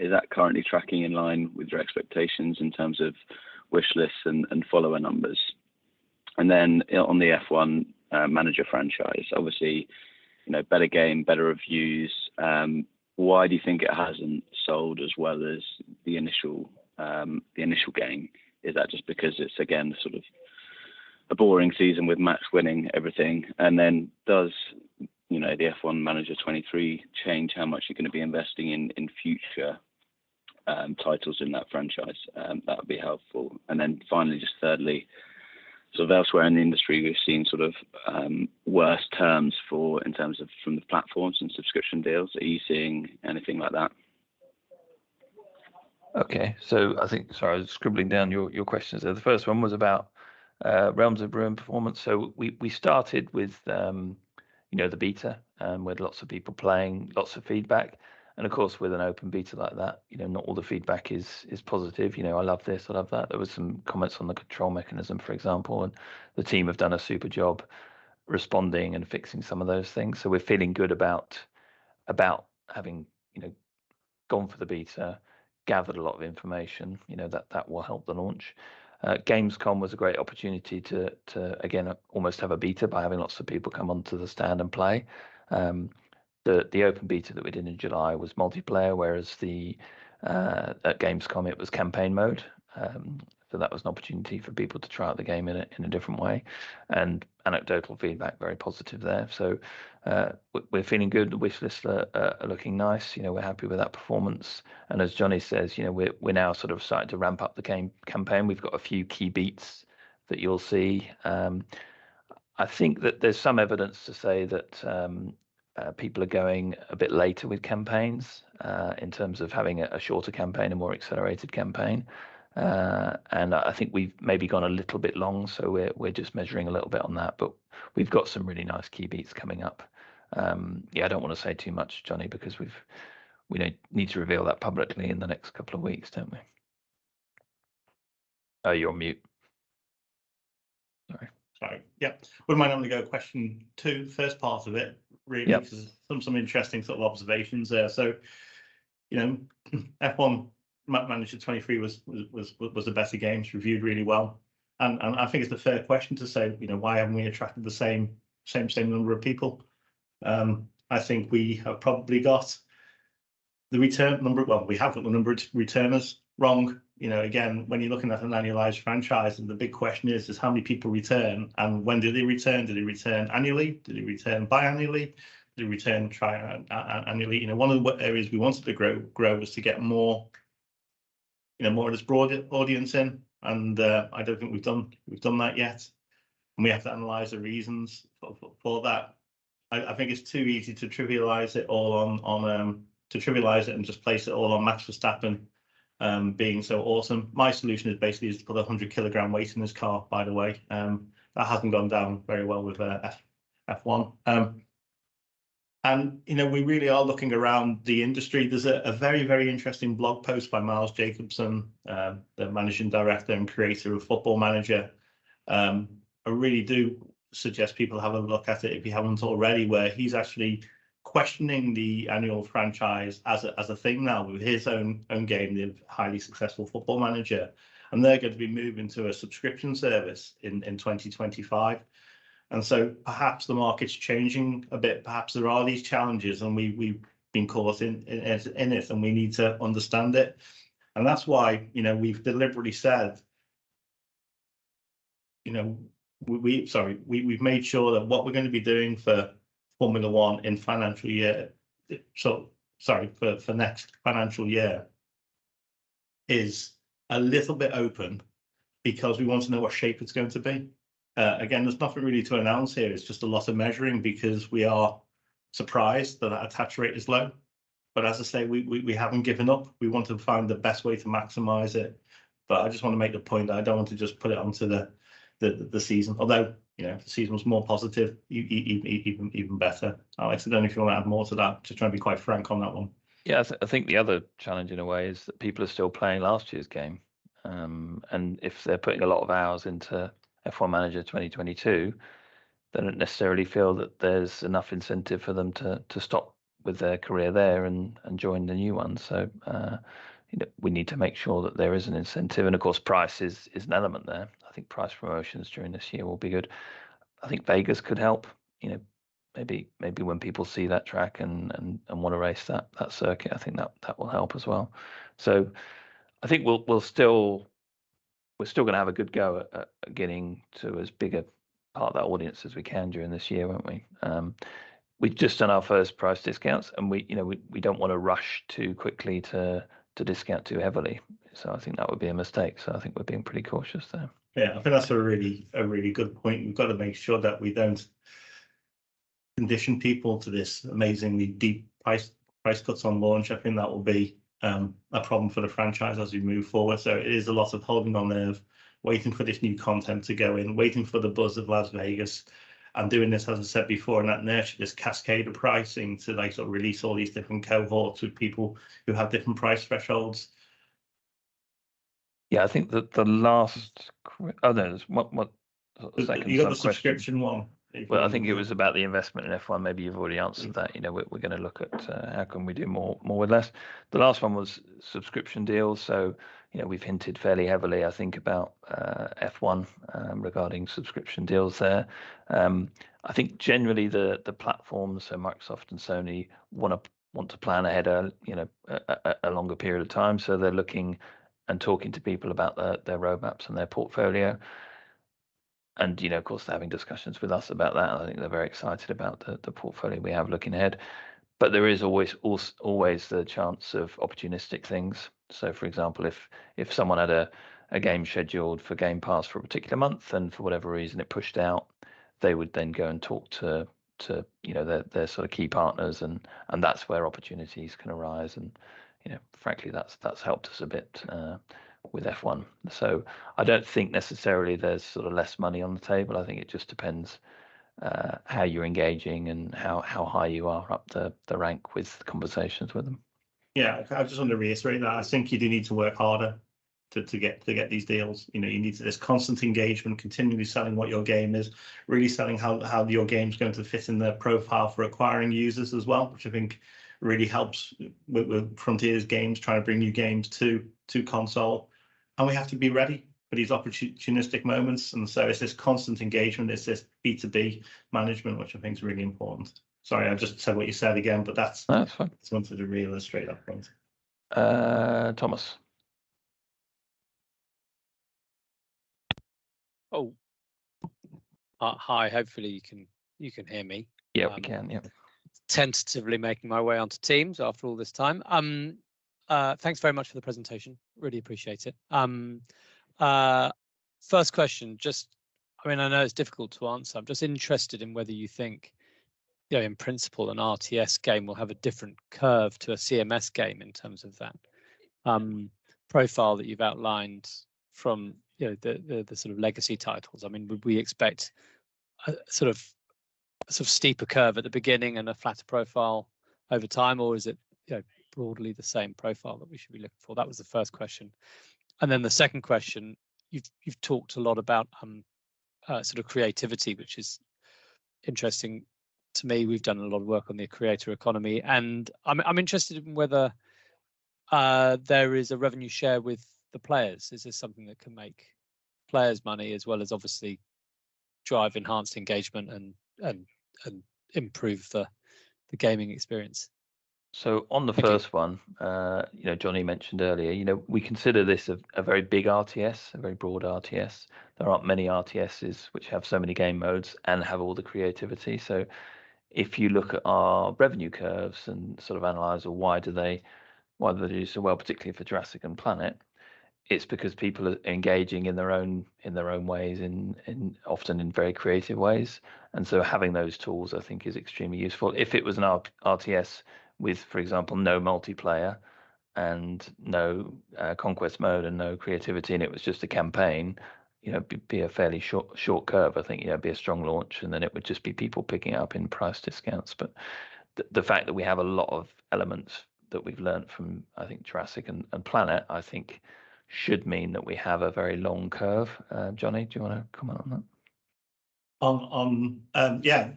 is that currently tracking in line with your expectations in terms of wish lists and follower numbers? And then on the F1 Manager franchise, obviously, you know, better game, better reviews, why do you think it hasn't sold as well as the initial game? Is that just because it's again, sort of a boring season with Max winning everything? And then does, you know, the F1 Manager '23 change how much you're gonna be investing in future titles in that franchise? That would be helpful. And then finally, just thirdly, so elsewhere in the industry, we've seen sort of worse terms for, in terms of, from the platforms and subscription deals. Are you seeing anything like that? Okay. So I think... Sorry, I was scribbling down your, your questions there. The first one was about, Realms of Ruin performance. So we, we started with, you know, the beta, with lots of people playing, lots of feedback. And of course, with an open beta like that, you know, not all the feedback is, is positive. You know, I love this, I love that. There was some comments on the control mechanism, for example, and the team have done a super job responding and fixing some of those things. So we're feeling good about, about having, you know, gone for the beta, gathered a lot of information, you know, that, that will help the launch. Gamescom was a great opportunity to, to, again, almost have a beta by having lots of people come onto the stand and play. The open beta that we did in July was multiplayer, whereas at Gamescom, it was campaign mode. So that was an opportunity for people to try out the game in a different way, and anecdotal feedback, very positive there. So, we're feeling good. The wish lists are looking nice, you know, we're happy with that performance. And as Jonny says, you know, we're now sort of starting to ramp up the game campaign. We've got a few key beats that you'll see. I think that there's some evidence to say that people are going a bit later with campaigns, in terms of having a shorter campaign, a more accelerated campaign. And I think we've maybe gone a little bit long, so we're just measuring a little bit on that, but we've got some really nice key beats coming up. Yeah, I don't wanna say too much, Jonny, because we've, we need to reveal that publicly in the next couple of weeks, don't we? Oh, you're on mute. Sorry. Sorry. Yeah. We might only go question two, first part of it, really- Yeah... some interesting sort of observations there. So, you know, F1 Manager '23 was a better game, it's reviewed really well. And I think it's a fair question to say, you know, why haven't we attracted the same number of people? I think we have probably got the return number, well, we have the number of returners wrong. You know, again, when you're looking at an annualized franchise, and the big question is how many people return, and when do they return? Do they return annually? Do they return biannually? Do they return triannually? You know, one of the areas we wanted to grow was to get more, you know, more of this broad audience in, and I don't think we've done that yet, and we have to analyze the reasons for that. I think it's too easy to trivialize it all on to trivialize it and just place it all on Max Verstappen being so awesome. My solution is basically just to put a 100-kilogram weight in his car, by the way. That hasn't gone down very well with F1. And, you know, we really are looking around the industry. There's a very interesting blog post by Miles Jacobson, the managing director and creator of Football Manager. I really do suggest people have a look at it, if you haven't already, where he's actually questioning the annual franchise as a thing now, with his own game, the highly successful Football Manager. And they're going to be moving to a subscription service in 2025. So perhaps the market's changing a bit, perhaps there are these challenges, and we've been caught in it, and we need to understand it. And that's why, you know, we've deliberately said, you know, sorry, we've made sure that what we're gonna be doing for Formula One in financial year, sorry, for next financial year, is a little bit open because we want to know what shape it's going to be. Again, there's nothing really to announce here, it's just a lot of measuring because we are surprised that our attach rate is low. But as I say, we haven't given up. We want to find the best way to maximize it. But I just want to make the point that I don't want to just put it onto the season. Although, you know, if the season was more positive, even better. Alex, I don't know if you wanna add more to that, just trying to be quite frank on that one. Yeah, I think the other challenge, in a way, is that people are still playing last year's game. And if they're putting a lot of hours into F1 Manager 2022, they don't necessarily feel that there's enough incentive for them to stop with their career there and join the new one. So, you know, we need to make sure that there is an incentive, and of course, price is an element there. I think price promotions during this year will be good. I think Vegas could help, you know, maybe when people see that track and wanna race that circuit, I think that will help as well. So I think we'll still, we're still gonna have a good go at getting to as big a part of that audience as we can during this year, won't we? We've just done our first price discounts, and we, you know, don't wanna rush too quickly to discount too heavily. So I think that would be a mistake, so I think we're being pretty cautious there. Yeah, I think that's a really, a really good point. We've got to make sure that we don't condition people to this amazingly deep price, price cuts on launch. I think that will be a problem for the franchise as we move forward. So it is a lot of holding on there, waiting for this new content to go in, waiting for the buzz of Las Vegas, and doing this, as I said before, and that inertia, just cascade the pricing to then sort of release all these different cohorts with people who have different price thresholds.... Yeah, I think that the last—oh, no, what, what, the second question? You got the subscription one, if- Well, I think it was about the investment in F1. Maybe you've already answered that. You know, we're gonna look at how we can do more with less. The last one was subscription deals, so, you know, we've hinted fairly heavily, I think, about F1 regarding subscription deals there. I think generally the platforms, so Microsoft and Sony, want to plan ahead, you know, a longer period of time, so they're looking and talking to people about their roadmaps and their portfolio. And, you know, of course, they're having discussions with us about that, and I think they're very excited about the portfolio we have looking ahead. But there is always the chance of opportunistic things. So, for example, if someone had a game scheduled for Game Pass for a particular month, and for whatever reason it pushed out, they would then go and talk to, you know, their sort of key partners, and that's where opportunities can arise, and, you know, frankly, that's helped us a bit with F1. So I don't think necessarily there's sort of less money on the table. I think it just depends how you're engaging and how high you are up the rank with conversations with them. Yeah. I just want to reiterate that. I think you do need to work harder to get these deals. You know, you need... There's constant engagement, continually selling what your game is, really selling how your game's going to fit in their profile for acquiring users as well, which I think really helps with Frontier's games, trying to bring new games to console. And we have to be ready for these opportunistic moments, and so it's this constant engagement, it's this B2B management, which I think is really important. Sorry, I just said what you said again, but that's- No, that's fine. Just wanted to re-illustrate that point. Uh, Thomas? Oh. Hi, hopefully you can, you can hear me. Yeah, we can. Yeah. Tentatively making my way onto Teams after all this time. Thanks very much for the presentation. Really appreciate it. First question, just... I mean, I know it's difficult to answer. I'm just interested in whether you think, you know, in principle, an RTS game will have a different curve to a CMS game in terms of that, profile that you've outlined from, you know, the sort of legacy titles. I mean, would we expect a sort of, sort of steeper curve at the beginning and a flatter profile over time, or is it, you know, broadly the same profile that we should be looking for? That was the first question. And then the second question, you've talked a lot about, sort of creativity, which is interesting to me. We've done a lot of work on the creator economy, and I'm interested in whether there is a revenue share with the players. Is this something that can make players money, as well as obviously drive enhanced engagement and improve the gaming experience? So on the first one, you know, Jonny mentioned earlier, you know, we consider this a, a very big RTS, a very broad RTS. There aren't many RTSs which have so many game modes and have all the creativity. So if you look at our revenue curves and sort of analyze, well, why do they, why do they do so well, particularly for Jurassic and Planet, it's because people are engaging in their own, in their own ways, in, in, often in very creative ways. And so having those tools, I think, is extremely useful. If it was an RTS with, for example, no multiplayer and no, Conquest Mode and no creativity, and it was just a campaign, you know, it'd be a fairly short, short curve. I think, yeah, it'd be a strong launch, and then it would just be people picking it up in price discounts. But the fact that we have a lot of elements that we've learned from, I think, Jurassic and Planet, I think should mean that we have a very long curve. Jonny, do you wanna comment on that? On, yeah.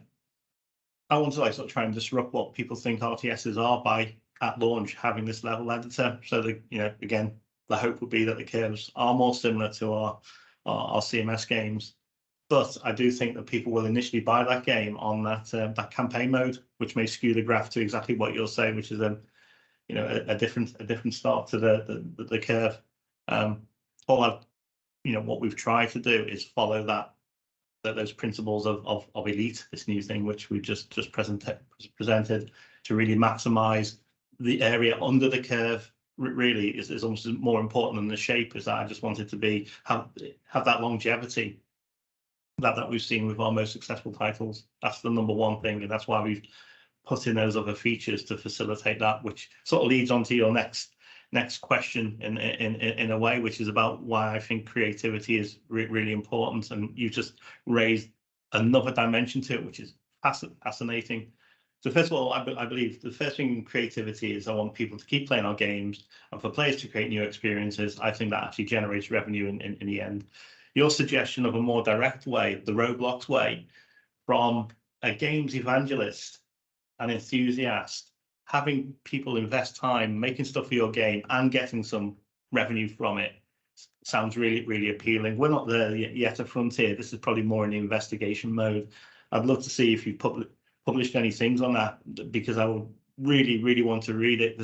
I want to like sort of try and disrupt what people think RTSs are by, at launch, having this level editor. So the, you know, again, the hope would be that the curves are more similar to our CMS games. But I do think that people will initially buy that game on that, that campaign mode, which may skew the graph to exactly what you're saying, which is a, you know, a different start to the curve. All I've, you know, what we've tried to do is follow that, those principles of Elite, this new thing, which we've just presented, to really maximize the area under the curve. Really is almost more important than the shape, is that I just want it to be have that longevity that we've seen with our most successful titles. That's the number one thing, and that's why we've put in those other features to facilitate that, which sort of leads on to your next question in a way, which is about why I think creativity is really important. And you've just raised another dimension to it, which is fascinating. So first of all, I believe the first thing, creativity, is I want people to keep playing our games, and for players to create new experiences. I think that actually generates revenue in the end. Your suggestion of a more direct way, the Roblox way, from a games evangelist and enthusiast, having people invest time making stuff for your game and getting some revenue from it, sounds really, really appealing. We're not there yet at Frontier. This is probably more in the investigation mode. I'd love to see if you've published any things on that, because I would really, really want to read it.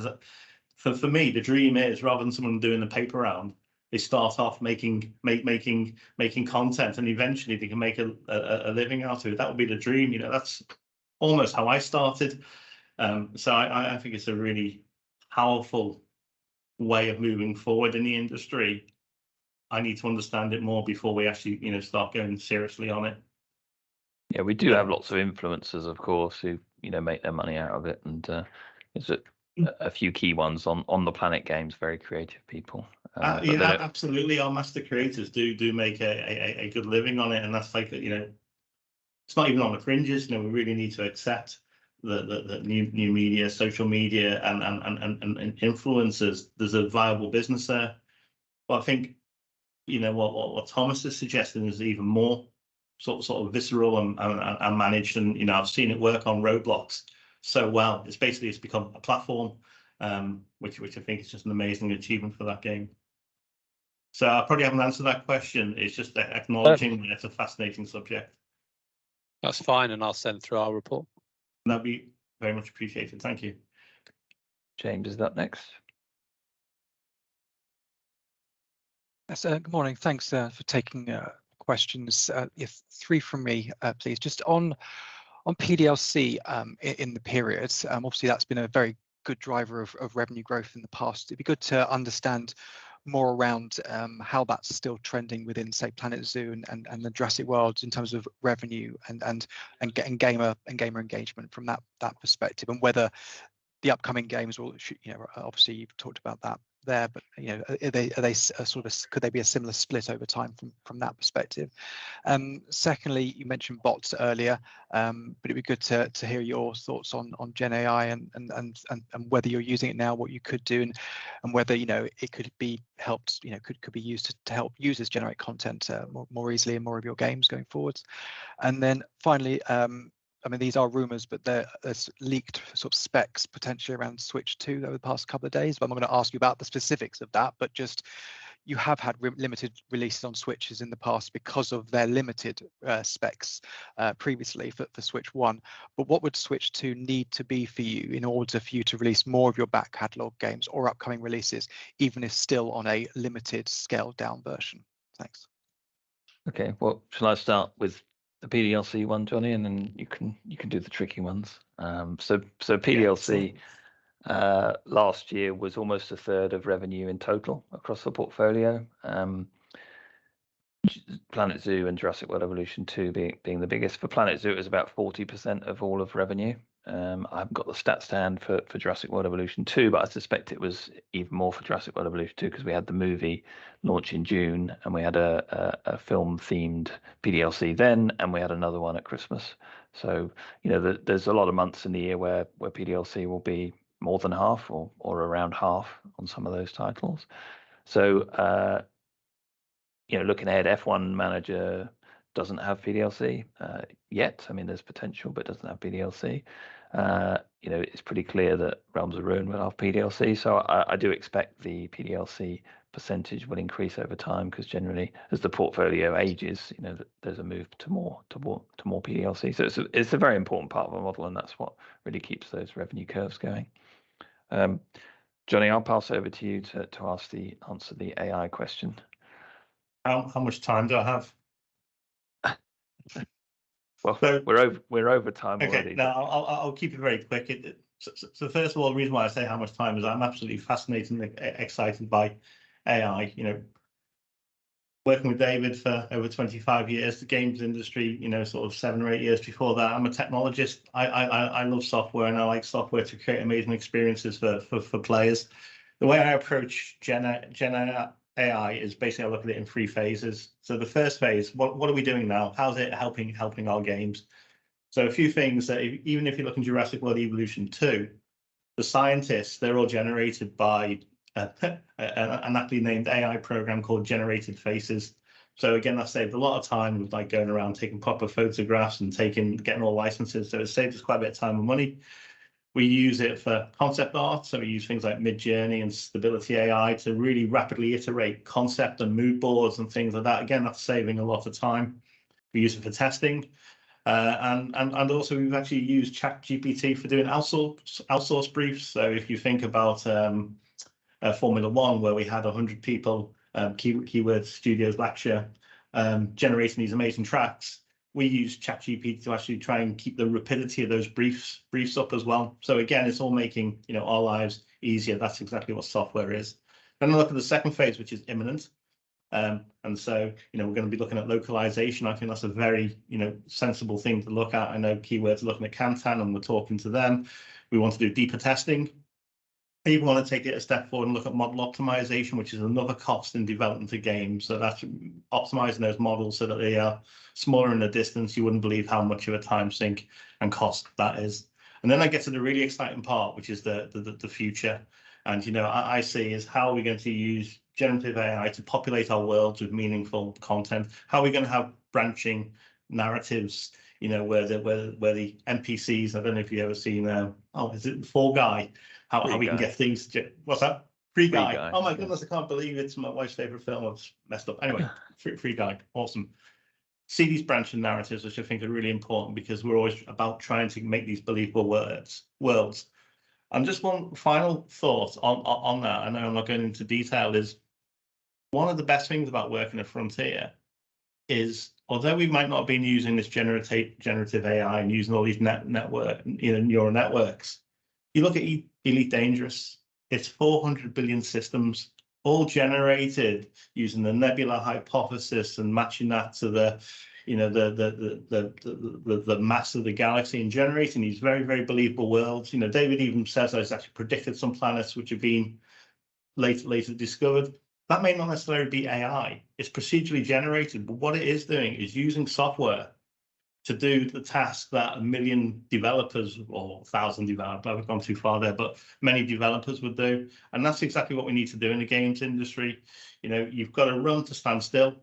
For me, the dream is rather than someone doing the paper round, they start off making content, and eventually they can make a living out of it. That would be the dream, you know. That's almost how I started, so I think it's a really powerful way of moving forward in the industry. I need to understand it more before we actually, you know, start going seriously on it. Yeah, we do have lots of influencers, of course, who, you know, make their money out of it, and there's a few key ones on the Planet games, very creative people. But- Yeah, absolutely. Our master creators do make a good living on it, and that's like, you know. It's not even on the fringes. You know, we really need to accept that new media, social media, and influencers, there's a viable business there. But I think, you know, what Thomas is suggesting is even more sort of visceral and managed, and, you know, I've seen it work on Roblox so well. It's basically it's become a platform, which I think is just an amazing achievement for that game. So I probably haven't answered that question. It's just that- No- acknowledging that it's a fascinating subject. That's fine, and I'll send through our report. That'd be very much appreciated. Thank you. James, is that next? Yes, sir. Good morning. Thanks for taking questions. You have three from me, please. Just on PDLC, in the period, obviously, that's been a very good driver of revenue growth in the past. It'd be good to understand more around how that's still trending within, say, Planet Zoo and the Jurassic Worlds in terms of revenue and gamer engagement from that perspective, and whether the upcoming games will, you know, obviously, you've talked about that there, but, you know, are they, are they sort of could they be a similar split over time from that perspective? Secondly, you mentioned bots earlier, but it'd be good to hear your thoughts on Gen AI and whether you're using it now, what you could do, and whether, you know, it could be helped, you know, could be used to help users generate content more easily and more of your games going forward. And then finally, I mean, these are rumors, but there's leaked sort of specs potentially around Switch 2 over the past couple of days. But I'm gonna ask you about the specifics of that, but just you have had limited releases on Switches in the past because of their limited specs previously for the Switch 1. But what would Switch 2 need to be for you in order for you to release more of your back catalog games or upcoming releases, even if still on a limited, scaled-down version? Thanks. Okay. Well, shall I start with the PDLC one, Jonny, and then you can do the tricky ones? So, PDLC- Yeah... last year was almost a third of revenue in total across the portfolio. Planet Zoo and Jurassic World Evolution 2 being the biggest. For Planet Zoo, it was about 40% of all of revenue. I've got the stats to hand for Jurassic World Evolution 2, but I suspect it was even more for Jurassic World Evolution 2, 'cause we had the movie launch in June, and we had a film-themed PDLC then, and we had another one at Christmas. So, you know, there's a lot of months in the year where PDLC will be more than half or around half on some of those titles. So, you know, looking ahead, F1 Manager doesn't have PDLC yet. I mean, there's potential, but it doesn't have PDLC. You know, it's pretty clear that Realms of Ruin will have PDLC, so I, I do expect the PDLC % will increase over time, 'cause generally, as the portfolio ages, you know, there's a move to more, to more, to more PDLC. So it's a, it's a very important part of our model, and that's what really keeps those revenue curves going. Jonny, I'll pass over to you to, to ask the- answer the AI question. How much time do I have? Well, we're over time already. Okay. No, I'll keep it very quick. It's so first of all, the reason why I say how much time is I'm absolutely fascinated and excited by AI, you know. Working with David for over 25 years, the games industry, you know, sort of 7 or 8 years before that, I'm a technologist. I love software, and I like software to create amazing experiences for players. The way I approach GenAI is basically I look at it in three phases. So the first phase, what are we doing now? How is it helping our games? So a few things that even if you look in Jurassic World Evolution 2, the scientists, they're all generated by an aptly named AI program called Generated Faces. So again, that saved a lot of time with, like, going around, taking proper photographs and getting all licenses, so it saved us quite a bit of time and money. We use it for concept art, so we use things like Midjourney and Stability AI to really rapidly iterate concept and mood boards and things like that. Again, that's saving a lot of time. We use it for testing. And also, we've actually used ChatGPT for doing outsource briefs. So if you think about Formula One, where we had 100 people, Keywords Studios, last year, generating these amazing tracks, we used ChatGPT to actually try and keep the rapidity of those briefs up as well. So again, it's all making, you know, our lives easier. That's exactly what software is. Then I look at the second phase, which is imminent, and so, you know, we're gonna be looking at localization. I think that's a very, you know, sensible thing to look at. I know Keywords are looking at Kantan, and we're talking to them. We want to do deeper testing. We even wanna take it a step forward and look at model optimization, which is another cost in developing the game, so that's optimizing those models so that they are smaller in the distance. You wouldn't believe how much of a time sink and cost that is. And then I get to the really exciting part, which is the future. And you know, I see is how are we going to use generative AI to populate our worlds with meaningful content? How are we gonna have branching narratives, you know, where the NPCs... I don't know if you've ever seen, is it Free Guy? Free Guy. What's that? Free Guy. Free Guy. Free Guy. Oh, my goodness, I can't believe it. It's my wife's favorite film. I've messed up. Anyway- Yeah... Free Guy. Awesome. See these branching narratives, which I think are really important because we're always about trying to make these believable worlds, worlds. And just one final thought on that, I know I'm not going into detail, is one of the best things about working at Frontier is although we might not have been using this generative AI and using all these network, you know, neural networks, you look at Elite Dangerous, it's 400 billion systems, all generated using the nebular hypothesis and matching that to the, you know, the mass of the galaxy and generating these very, very believable worlds. You know, David even says that it's actually predicted some planets which have been later discovered. That may not necessarily be AI. It's procedurally generated, but what it is doing is using software to do the task that 1 million developers or 1,000 developers, I've gone too far there, but many developers would do, and that's exactly what we need to do in the games industry. You know, you've got to run to stand still.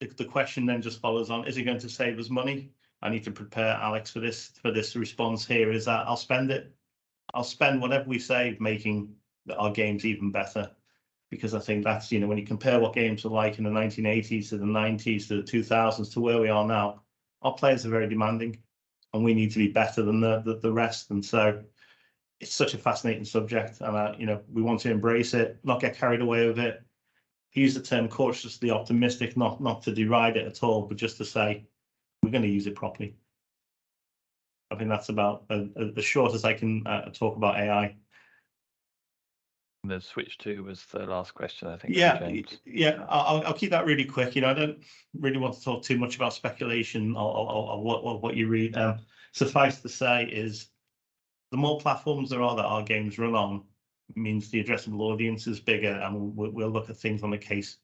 The question then just follows on, is it going to save us money? I need to prepare Alex for this response here, is that I'll spend it... I'll spend whatever we save making our games even better because I think that's, you know, when you compare what games were like in the 1980s to the 1990s, to the 2000s to where we are now, our players are very demanding, and we need to be better than the rest. And so it's such a fascinating subject, and, you know, we want to embrace it, not get carried away with it. Use the term cautiously optimistic, not to deride it at all, but just to say we're gonna use it properly. I think that's about as short as I can talk about AI. The Switch 2 was the last question, I think, James. Yeah. Yeah, I'll keep that really quick. You know, I don't really want to talk too much about speculation or what you read. Suffice to say is, the more platforms there are that our games run on, means the addressable audience is bigger, and we'll look at things on a case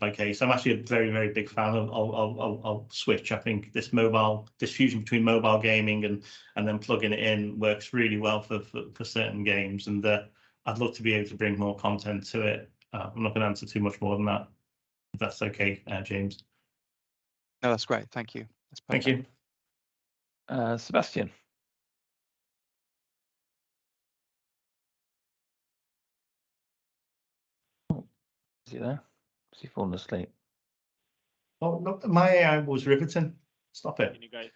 by case. I'm actually a very big fan of Switch. I think this mobile, this fusion between mobile gaming and then plugging it in works really well for certain games, and I'd love to be able to bring more content to it. I'm not gonna answer too much more than that, if that's okay, James. No, that's great. Thank you. That's perfect. Thank you. Sebastian? Oh, is he there, or has he fallen asleep? Well, look, my AI was riveting. Stop it. Can you guys...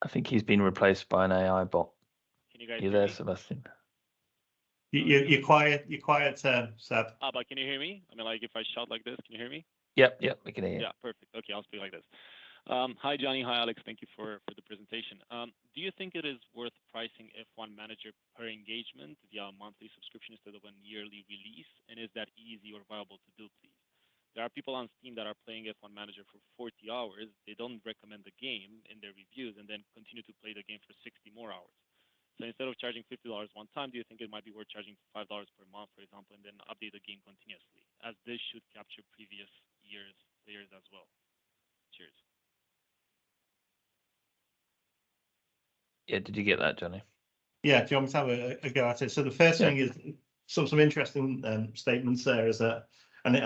I think he's been replaced by an AI bot. Can you guys- You there, Sebastian? You're quiet. You're quiet, Seb. Alex, can you hear me? I mean, like, if I shout like this, can you hear me? Yep, yep, we can hear you. Yeah, perfect. Okay, I'll speak like this. Hi, Jonny. Hi, Alex. Thank you for the presentation. Do you think it is worth pricing F1 Manager per engagement via monthly subscription instead of a yearly release, and is that easy or viable to do, please? There are people on Steam that are playing F1 Manager for 40 hours, they don't recommend the game in their reviews, and then continue to play the game for 60 more hours. So instead of charging $50 one time, do you think it might be worth charging $5 per month, for example, and then update the game continuously, as this should capture previous years' players as well? Cheers. Yeah, did you get that, Jonny? Yeah. Do you want me to have a go at it? Yeah. So the first thing is, some interesting statements there is that, and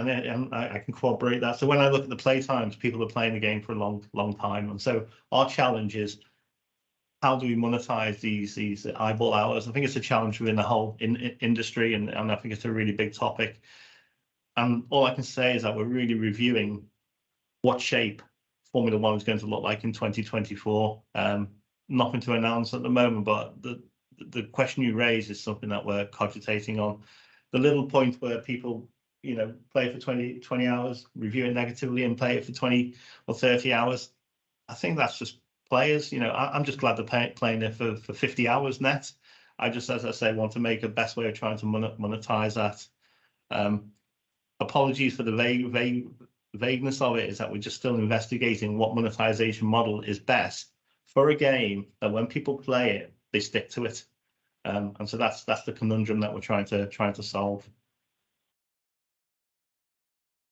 I can corroborate that. So when I look at the play times, people are playing the game for a long, long time. And so our challenge is: How do we monetize these, these eyeball hours? I think it's a challenge within the whole industry, and I think it's a really big topic. And all I can say is that we're really reviewing what shape Formula One is going to look like in 2024. Nothing to announce at the moment, but the question you raise is something that we're cogitating on. The little point where people, you know, play for 20, 20 hours, review it negatively, and play it for 20 or 30 hours, I think that's just players. You know, I'm just glad they're playing it for 50 hours net. I just, as I say, want to make the best way of trying to monetize that. Apologies for the vagueness of it, is that we're just still investigating what monetization model is best for a game that when people play it, they stick to it. And so that's the conundrum that we're trying to solve.